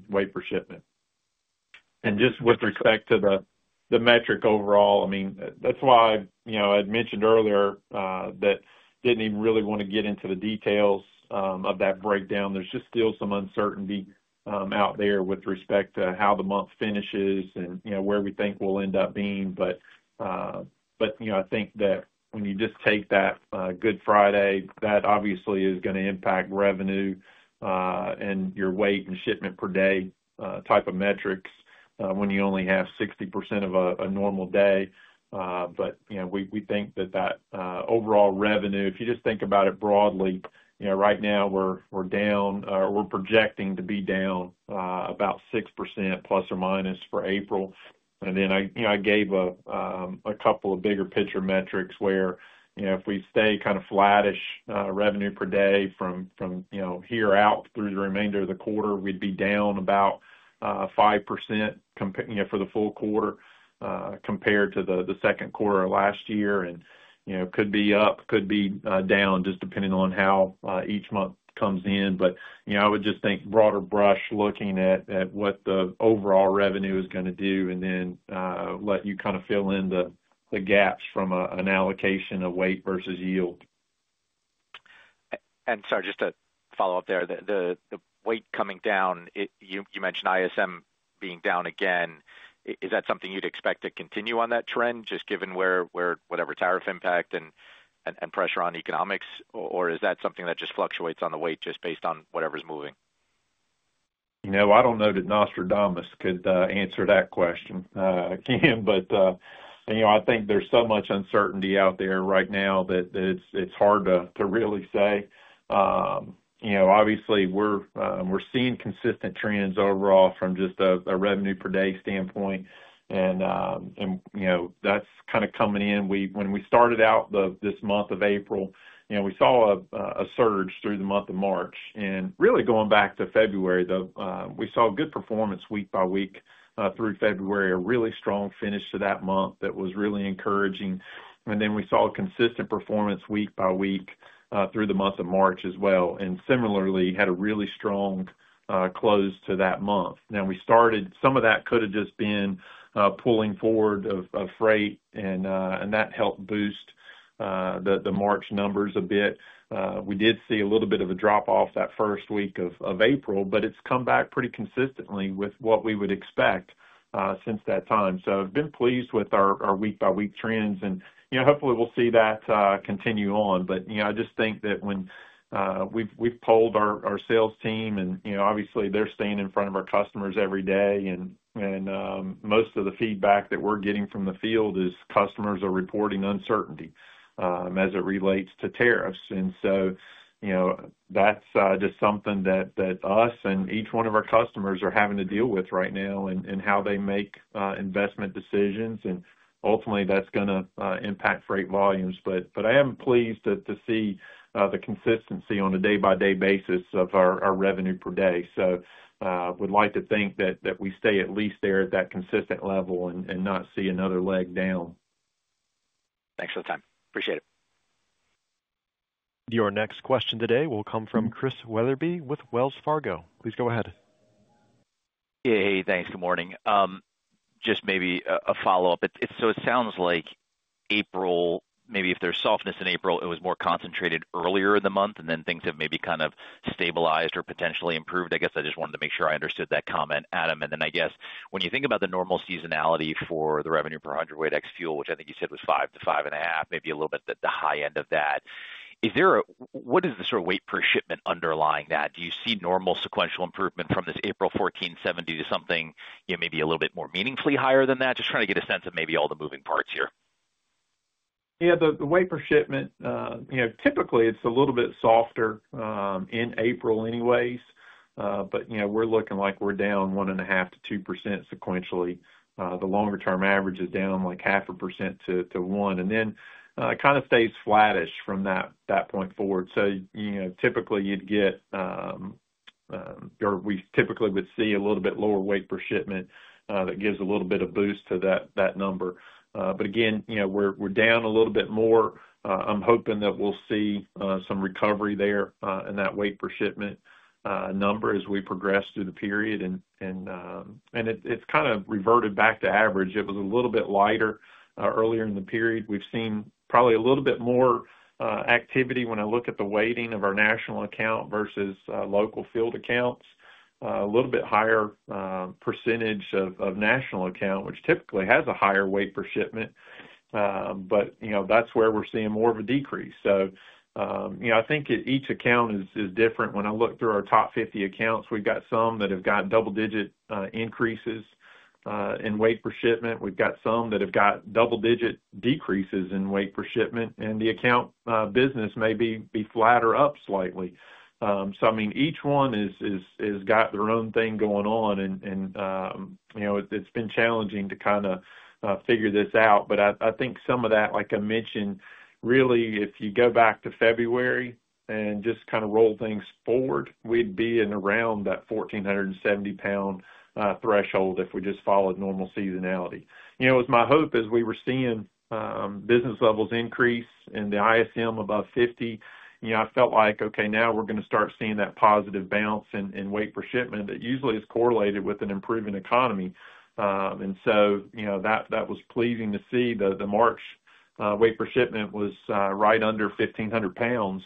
weight per shipment. Just with respect to the metric overall, I mean, that's why, you know, I mentioned earlier that I did not even really want to get into the details of that breakdown. There's just still some uncertainty out there with respect to how the month finishes and, you know, where we think we'll end up being. You know, I think that when you just take that Good Friday, that obviously is going to impact revenue and your weight and shipment per day type of metrics when you only have 60% of a normal day. We think that that overall revenue, if you just think about it broadly, right now we're down, we're projecting to be down about 6% plus or minus for April. I gave a couple of bigger picture metrics where if we stay kind of flattish revenue per day from here out through the remainder of the be down about 5% for the full quarter compared to the second quarter of last year and could be up, could be down just depending on how each month comes in. I would just think broader brush looking at what the overall revenue is going to do and then let you kind of fill in the gaps from an allocation of weight versus yield. Sorry, just to follow up there, the weight coming down, you mentioned ISM being down again. Is that something you'd expect to continue on that trend just given where whatever tariff impact and pressure on economics, or is that something that just fluctuates on the weight just based on whatever's moving? You know, I don't know that Nostradamus could answer that question, but I think there's so much uncertainty out there right now that it's hard to really say. You know, obviously we're seeing consistent trends overall from just a revenue per day standpoint. You know, that's kind of coming in when we started out this month of April, you know, we saw a surge through the month of March and really going back to February though, we saw good performance week by week through February, a really strong finish to that month. That was really encouraging. We saw a consistent performance week by week through the month of March as well. Similarly, we had a really strong close to that month. Now, we started, some of that could have just been pulling forward of freight and that helped boost the March numbers a bit. We did see a little bit of a drop off that first week of April, but it has come back pretty consistently with what we would expect since that time. I have been pleased with our week by week trends and hopefully we will see that continue on. I just think that when we have polled our sales team and obviously they are staying in front of our customers every day, most of the feedback that we are getting from the field is customers are reporting uncertainty as it relates to tariffs. That is just something that us and each one of our customers are having to deal with right now and how they make investment decisions, and ultimately that is going to impact freight volumes. I am pleased to see the consistency on a day by day basis of our revenue per day. We'd like to think that we stay at least there at that consistent level and not see another leg down. Thanks for the time. Appreciate it. Your next question today will come from Chris Wetherbee with Wells Fargo. Please go ahead. Hey, thanks. Good morning. Just maybe a follow up. It sounds like April, maybe if there is softness in April, it was more concentrated earlier in the month and then things have maybe kind of stabilized or potentially improved. I guess I just wanted to make sure I understood that comment, Adam. I guess when you think about the normal seasonality for the revenue per hundredweight X fuel, which I think you said was five to five and a half, maybe a little bit at the high end of that. What is the sort of weight per shipment underlying that? Do you see normal sequential improvement from this 4-14-17? Do something maybe a little bit more meaningfully higher than that. Just trying to get a sense of maybe all the moving parts here. Yeah, the weight per shipment, typically it's a little bit softer in April anyways, but we're looking like we're down 1.5%-2% sequentially. The longer term average is down like 0.5%-1% and then kind of stays flattish from that point forward. Typically you'd get a little bit lower weight per shipment. That gives a little bit of boost to that number. Again, we're down a little bit more. I'm hoping that we'll see some recovery there in that weight per shipment number as we progress through the period. It's kind of reverted back to average. It was a little bit lighter earlier in the period. We've seen probably a little bit more activity. When I look at the weighting of our national account versus local field accounts, a little bit higher percentage of national account which typically has a higher weight per shipment. You know, that's where we're seeing more of a decrease. You know, I think each account is different. When I look through our top 50 accounts, we've got some that have got double digit increases in weight per shipment, we've got some that have got double digit decreases in weight per shipment. The account business may be flat or up slightly. I mean each one has got their own thing going on. You know, it's been challenging to kind of figure this out. I think some of that, like I mentioned, really if you go back to February and just kind of roll things forward, we'd be in around that 1,470 pound threshold if we just followed normal seasonality. You know, it was my hope as we were seeing business levels increase and the ISM above 50, you know, I felt like, okay, now we're going to start seeing that positive bounce in weight per shipment that usually is correlated with an improving economy. You know, that was pleasing to see. The March weight per shipment was right under 1,500 pounds.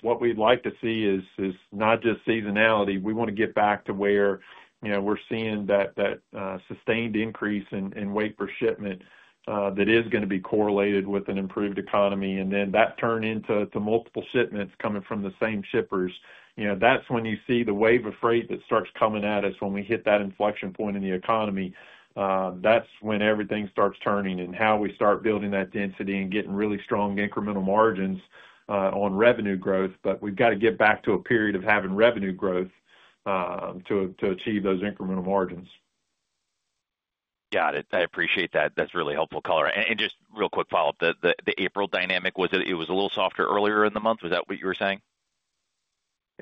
What we'd like to see is not just seasonality. We want to get back to where, you know, we're seeing that sustained increase in weight per shipment that is going to be correlated with an improved economy. Then that turns into multiple shipments coming from the same shippers. You know, that's when you see the wave of freight that starts coming at us when we hit that inflection point in the economy. That's when everything starts turning and how we start building that density and getting really strong incremental margins on revenue growth. We have to get back to a period of having revenue growth to achieve those incremental margins. Got it. I appreciate that. That's really helpful. Color and just real quick follow up, the April dynamic was. It was a little softer earlier in the month. Was that what you were saying?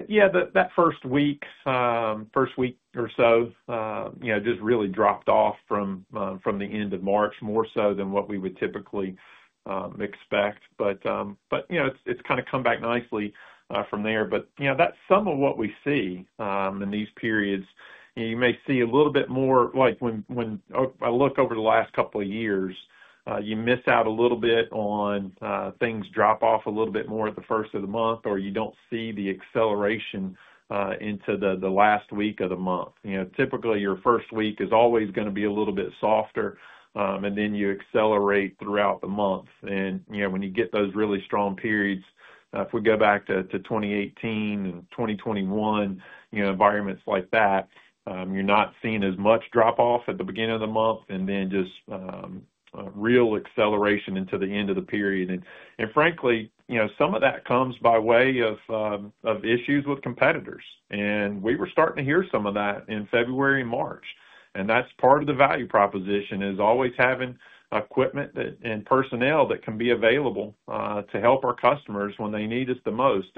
Yeah, that first week, first week or so just really dropped off from the end of March, more so than what we would typically expect. It has kind of come back nicely from there. That is some of what we see in these periods. You may see a little bit more. Like when I look over the last couple of years, you miss out a little bit on things dropping off a little bit more at the first of the month, or you do not see the acceleration into the last week of the month. Typically your first week is always going to be a little bit softer, and then you accelerate throughout the month. You know, when you get those really strong periods, if we go back to 2018 and 2021, environments like that, you're not seeing as much drop off at the beginning of the month and then just real acceleration into the end of the period. Frankly, you know, some of that comes by way of issues with competitors. We were starting to hear some of that in February and March. That is part of the value proposition, always having equipment and personnel that can be available to help our customers when they need us the most.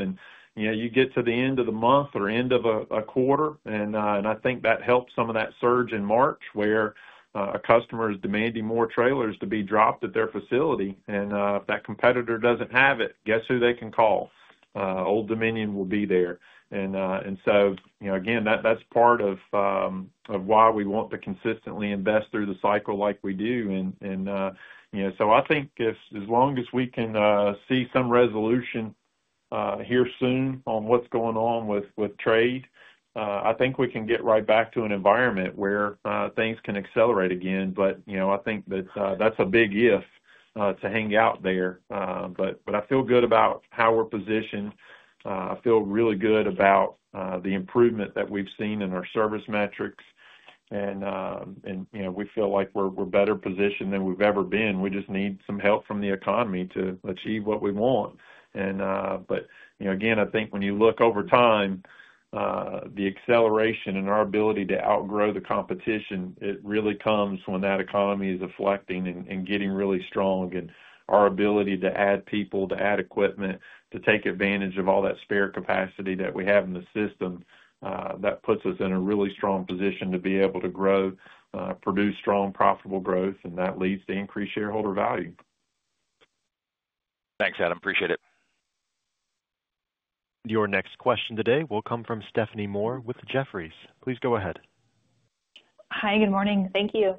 You know, you get to the end of the month or end of a quarter, and I think that helps some of that surge in March where a customer is demanding more trailers to be dropped at their facility. If that competitor does not have it, guess who they can call. Old Dominion will be there. You know, again, that is part of why we want to consistently invest through the cycle like we do. You know, I think if, as long as we can see some resolution here soon on what is going on with trade, I think we can get right back to an environment where things can accelerate again. You know, I think that is a big if to hang out there. I feel good about how we are positioned. I feel really good about the improvement that we have seen in our service metrics. You know, we feel like we are better positioned than we have ever been. We just need some help from the economy to achieve what we want. You know, again, I think when you look over time, the acceleration in our ability to outgrow the competition really comes when that economy is deflecting and getting really strong. Our ability to add people, to add equipment, to take advantage of all that spare capacity that we have in the system, that puts us in a really strong position to be able to grow, produce strong, profitable growth, and that leads to increased shareholder value. Thanks, Adam. Appreciate it. Your next question today will come from Stephanie Moore with Jefferies. Please go ahead. Hi, good morning. Thank you.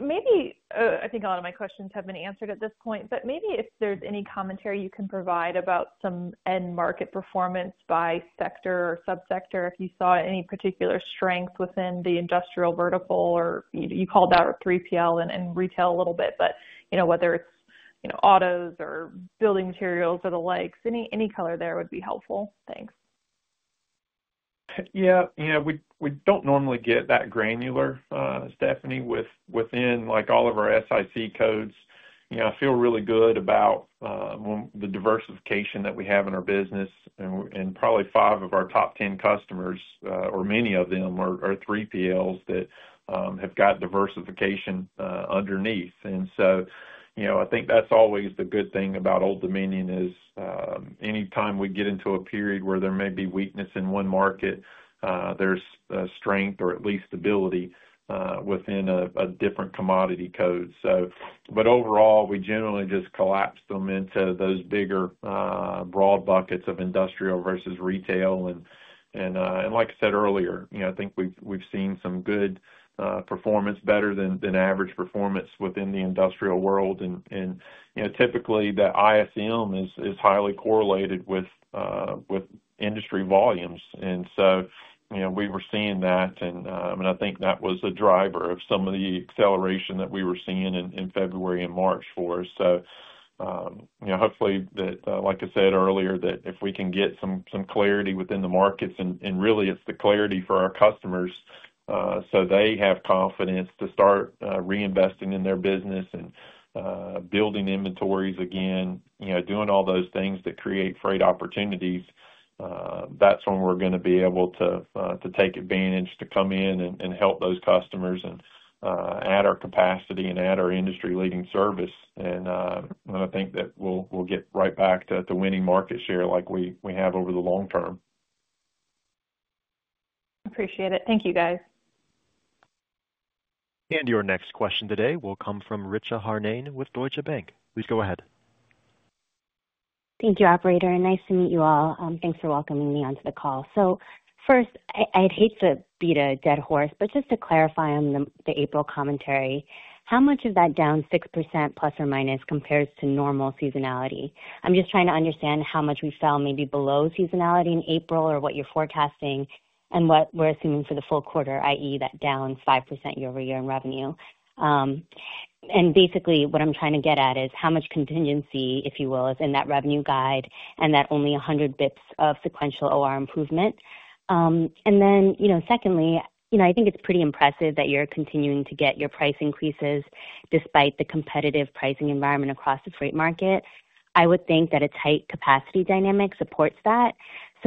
Maybe I think a lot of my questions have been answered at this point, but maybe if there's any commentary you can provide about some end market performance by sector or subsector, if you saw any particular strength within the industrial vertical or you called out 3PL and retail a little bit. You know, whether it's, you know, autos or building materials or the likes, any color there would be helpful. Thanks. Yeah, you know, we do not normally get that granular, Stephanie, within like all of our SIC codes. You know, I feel really good about the diversification that we have in our business and probably five of our top 10 customers or many of them are 3PLs that have got diversification underneath. You know, I think that's always the good thing about Old Dominion is anytime we get into a period where there may be weakness in one market, there's strength or at least stability within a different commodity code. Overall, we generally just collapsed them into those bigger, broad buckets of industrial versus retail. Like I said earlier, I think we've seen some good performance, better than average performance within the industrial world. Typically, the ISM is highly correlated with industry volumes. You know, we were seeing that and I think that was a driver of some of the acceleration that we were seeing in February and March for us. You know, hopefully that, like I said earlier, if we can get some clarity within the markets and really it's the clarity for our customers so they have confidence to start reinvesting in their business and building inventories again, you know, doing all those things that create freight opportunities, that's when we're going to be able to take advantage to come in and help those customers and add our capacity and add our industry leading service. I think that we'll get right back to the winning market share like we have over the long term. Appreciate it. Thank you guys. Your next question today will come from Richa Harnain with Deutsche Bank. Please go ahead. Thank you, operator. Nice to meet you all. Thanks for welcoming me onto the call. First, I'd hate to beat a dead horse, but just to clarify, on the April commentary, how much of that down 6% plus or minus compares to normal seasonality? I'm just trying to understand how much we fell maybe below seasonality in April or what you're forecasting and what we're assuming for the full quarter that is that down 5% year over year in revenue. Basically what I'm trying to get at is how much contingency, if you will, is in that revenue guide and that only 100 basis points of sequential or improvement. Secondly, I think it's pretty impressive that you're continuing to get your price increases despite the competitive pricing environment across the freight market. I would think that a tight capacity dynamic supports that.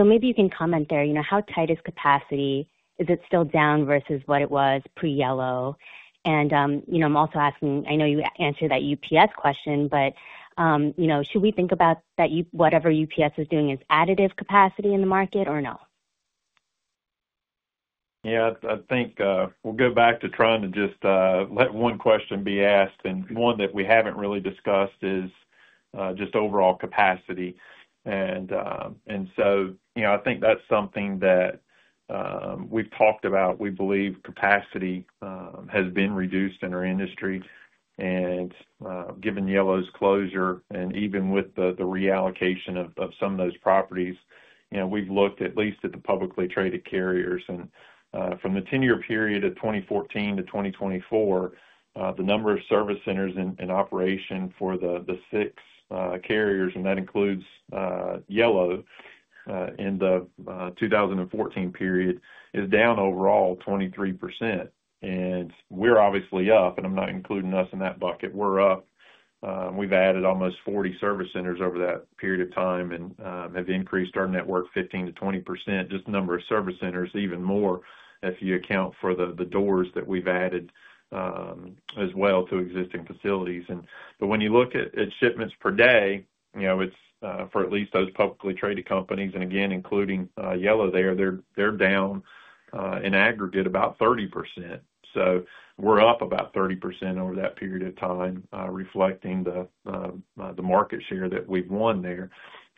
Maybe you can comment there. How tight is capacity? Is it still down versus what it was pre Yellow? I am also asking, I know you answered that UPS question, but should we think about that whatever UPS is doing is additive capacity in the market or no? Yeah, I think we'll go back to trying to just let one question be asked and one that we haven't really discussed is just overall capacity. You know, I think that's something that we've talked about. We believe capacity has been reduced in our industry and given Yellow's closure and even with the reallocation of some of those properties, you know, we've looked at least at the publicly traded carriers and from the 10-year period of 2014 to 2024, the number of service centers in operation for the six carriers, and that includes Yellow in the 2014 period, is down overall 23%. We're obviously up, and I'm not including us in that bucket. We're up. We've added almost 40 service centers over that period of time and have increased our network 15%-20%. Just number of service centers even more if you account for the doors that we've added as well to existing facilities. When you look at shipments per day, you know it's for at least those publicly traded companies. Again, including Yellow there, they're down in aggregate about 30%. We're up about 30% over that period of time, reflecting the market share that we've won there.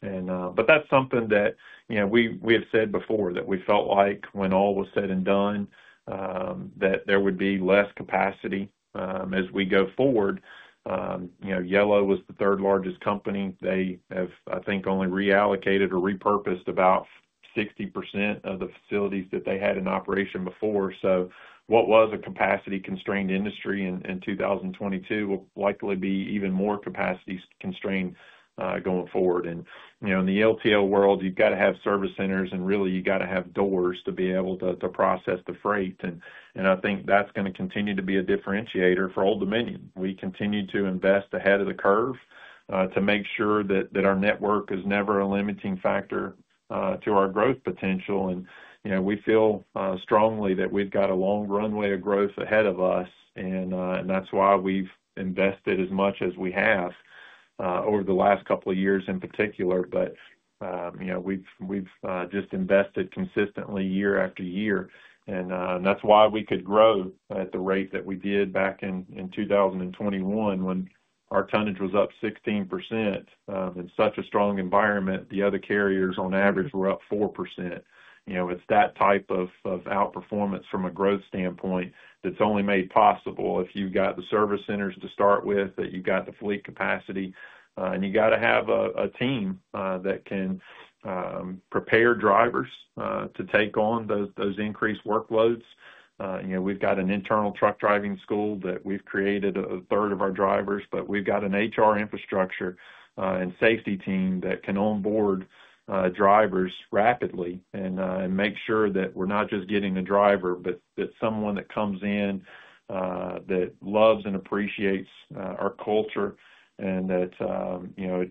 That's something that, you know, we have said before that we felt like when all was said and done that there would be less capacity as we go forward. Yellow was the third largest company. They have I think only reallocated or repurposed about 60% of the facilities that they had in operation before. What was a capacity constrained industry in 2022 will likely be even more capacity constrained going forward. You know, in the LTL world you have to have service centers and really you have to have doors to be able to process the freight. I think that is going to continue to be a differentiator for Old Dominion. We continue to invest ahead of the curve to make sure that our network is never a limiting factor to our growth potential. You know, we feel strongly that we have a long runway of growth ahead of us and that is why we have invested as much as we have over the last couple of years in particular, but we have just invested consistently year after year. That is why we could grow at the rate that we did back in 2021, when our tonnage was up 16% in such a strong environment, the other carriers on average were up 4%. You know, it's that type of outperformance from a growth standpoint that's only made possible if you've got the service centers to start with, that you've got the fleet capacity, and you got to have a team that can prepare drivers to take on those increased workloads. You know, we've got an internal truck driving school that we've created a third of our drivers, but we've got an HR infrastructure and safety team that can onboard drivers rapidly and make sure that we're not just getting a driver, but that someone that comes in that loves and appreciates our culture and that, you know,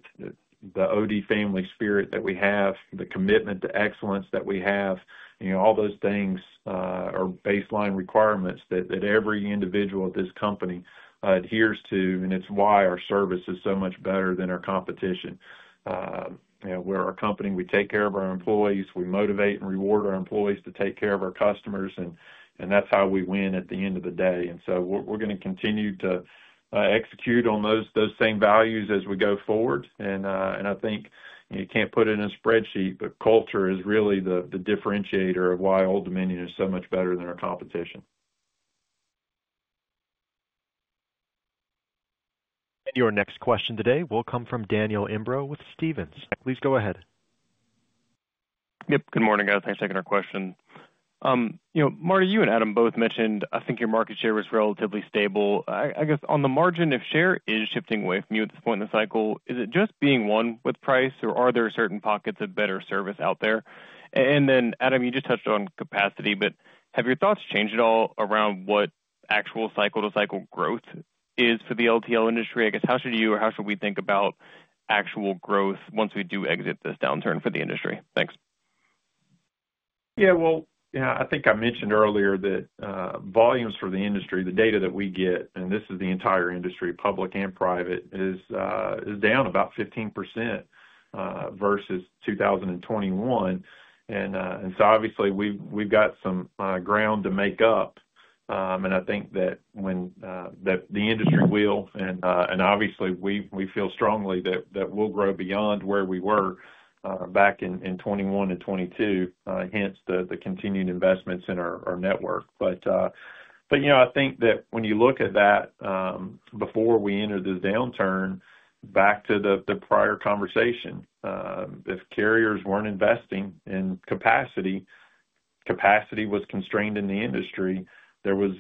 the OD Family spirit that we have, the commitment to excellence that we have. You know, all those things are baseline requirements that every individual at this company adheres to. It's why our service is so much better than our competition. You know, we're our company, we take care of our employees, we motivate and reward our employees to take care of our customers. That's how we win at the end of the day. We're going to continue to execute on those same values as we go forward. I think you can't put it in a spreadsheet, but culture is really the differentiator of why Old Dominion is so much better than our competition. Your next question today will come from Daniel Imbro with Stephens. Please go ahead. Yep. Good morning, guys. Thanks for taking our question. Marty, you and Adam both mentioned, I think your market share was relatively stable. I guess, on the margin. If share is shifting weights from you at this point in the cycle, is it just being one with price or are there certain pockets of better service out there? Adam, you just touched on capacity, but have your thoughts changed at all around what actual cycle to cycle growth is for the LTL industry? I guess how should you or how should we think about actual growth once we do exit this downturn for the industry? Thanks. I think I mentioned earlier that volumes for the industry, the data that we get, and this is the entire industry, public and private, is down about 15% versus 2021. Obviously we have got some ground to make up. I think that when the industry will, and obviously we feel strongly that we'll grow beyond where we were back in 2021 and 2022, hence the continued investments in our network. I think that when you look at that before we enter this downturn, back to the prior conversation, if carriers were not investing in capacity, capacity was constrained in the industry. There was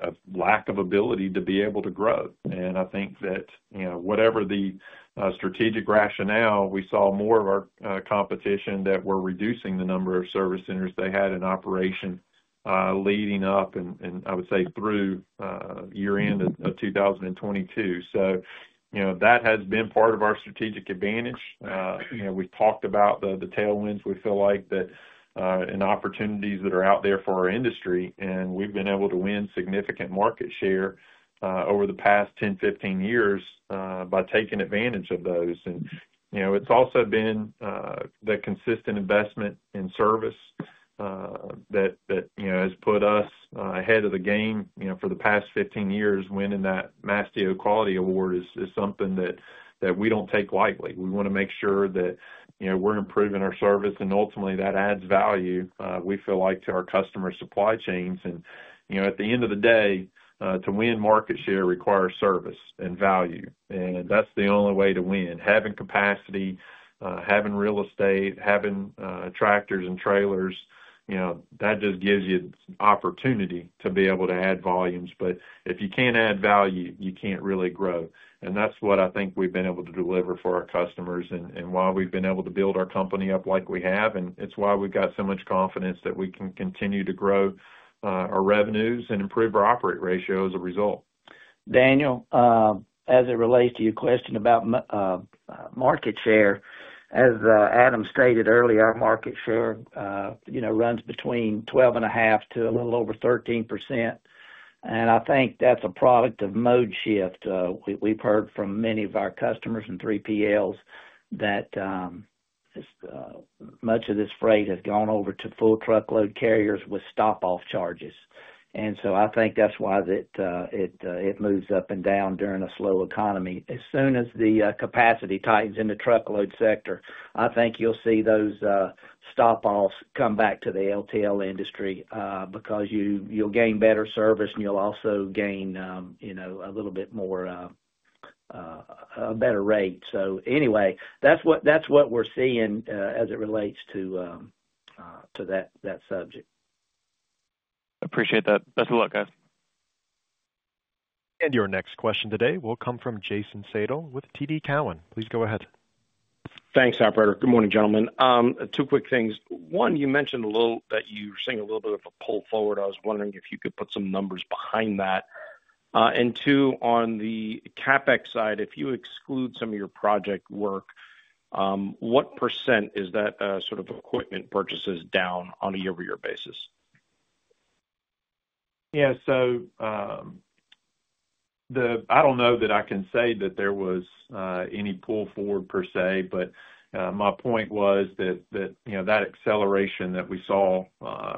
a lack of ability to be able to grow. I think that, you know, whatever the strategic rationale, we saw more of our competition that were reducing the number of service centers they had in operation leading up and I would say through year end of 2022. You know, that has been part of our strategic advantage. We've talked about the tailwinds we feel like that and opportunities that are out there for our industry. We have been able to win significant market share over the past 10-15 years by taking advantage of those. You know, it has also been the consistent investment in service that has put us ahead of the game for the past 15 years. Winning that MassDEO Quality Award is something that we do not take lightly. We want to make sure that we are improving our service and ultimately that adds value, we feel like, to our customer supply chains. At the end of the day, to win market share requires service and value and that is the only way to win. Having capacity, having real estate, having tractors and trailers, that just gives you opportunity to be able to add volumes. If you cannot add value, you cannot really grow. I think we have been able to deliver for our customers and that is why we have been able to build our company up like we have. That is why we have so much confidence that we can continue to grow our revenues and improve our operating ratio as a result. Daniel, as it relates to your question about market share, as Adam stated earlier, our market share runs between 12.5% and a little over 13% and I think that's a product of mode shift. We've heard from many of our customers and 3PLs that much of this freight has gone over to full truckload carriers with stop off charges. I think that's why it moves up and down during a slow economy. As soon as the capacity tightens in the truckload sector, I think you'll see those stop offs come back to the LTL industry because you'll gain better service and you'll also gain a little bit more a better rate. That's what we're seeing as it relates to that subject. Appreciate that. Best of luck, guys. Your next question today will come from Jason Seidl with TD Cowen, please. Go ahead. Thanks operator. Good morning, gentlemen. Two quick things. One, you mentioned a little that you were seeing a little bit of a pull forward. I was wondering if you could put some numbers behind that. On the CapEx side, if you exclude some of your project work, what percent is that sort of equipment? Purchases down on a year-over-year basis? Yeah, so I don't know that I can say that there was any pull forward per se, but my point was that, you know, that acceleration that we saw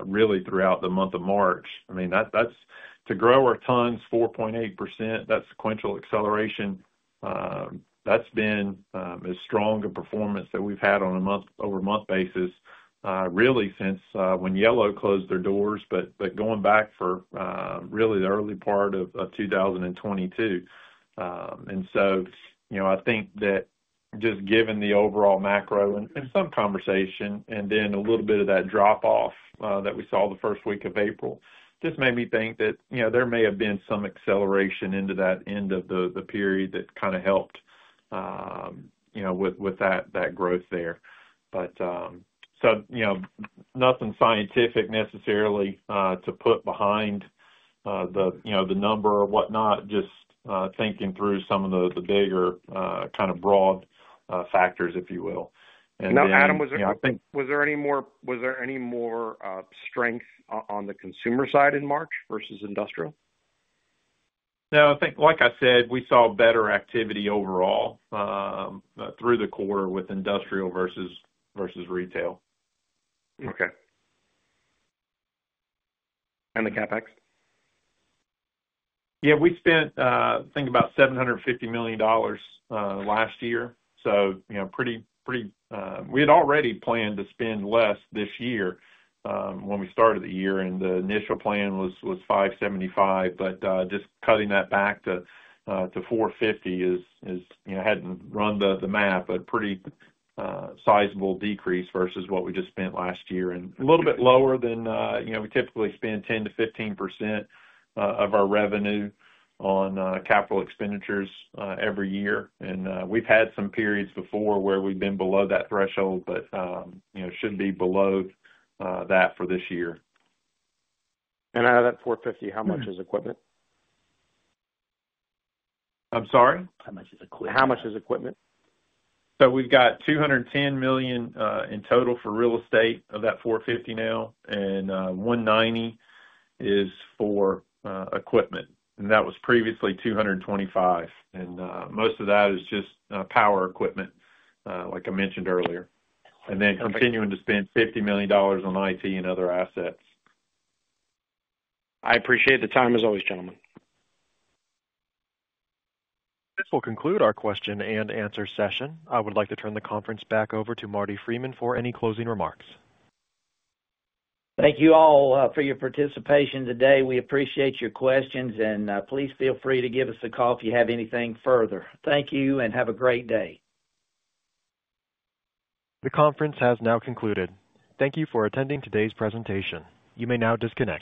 really throughout the month of March, I mean that's to grow our tons 4.8%. That sequential acceleration, that's been as strong a performance that we've had on a month over month basis really since when Yellow closed their doors. Going back for really the early part of 2022. You know, I think that just given the overall macro and some conversation and then a little bit of that drop off that we saw the first week of April just made me think that, you know, there may have been some acceleration into that end of the period that kind of helped, you know, with that, that growth there. You know, nothing scientific necessarily to put behind the, you know, the number or whatnot. Just thinking through some of the bigger kind of broad factors, if you will. Adam, was there any more strength on the consumer side in March versus industrial? No, I think like I said, we saw better activity overall through the quarter with industrial versus retail. Okay. And the CapEx? Yeah, we spent I think about $750 million last year. You know, pretty, pretty. We had already planned to spend less this year when we started the year and the initial plan was $575 million. Just cutting that back to $450 million is, I had not run the math, but pretty sizable decrease versus what we just spent last year and a little bit lower than we typically spend, 10%-15% of our revenue on capital expenditures every year. We have had some periods before where we have been below that threshold, but you know, should be below that for this year. Out of that $450 million, how much is equipment? I am sorry? How much is equipment? We have $210 million in total for real estate of that $450 million now, and $190 million is for equipment and that was previously $225 million. Most of that is just power equipment like I mentioned earlier, and then continuing to spend $50 million on it and other assets. I appreciate the time as always, gentlemen. This will conclude our question and answer session. I would like to turn the conference back over to Marty Freeman for any closing remarks. Thank you all for your participation today. We appreciate your questions, and please feel free to give us a call if you have anything further. Thank you and have a great day. The conference has now concluded. Thank you for attending today's presentation. You may now disconnect.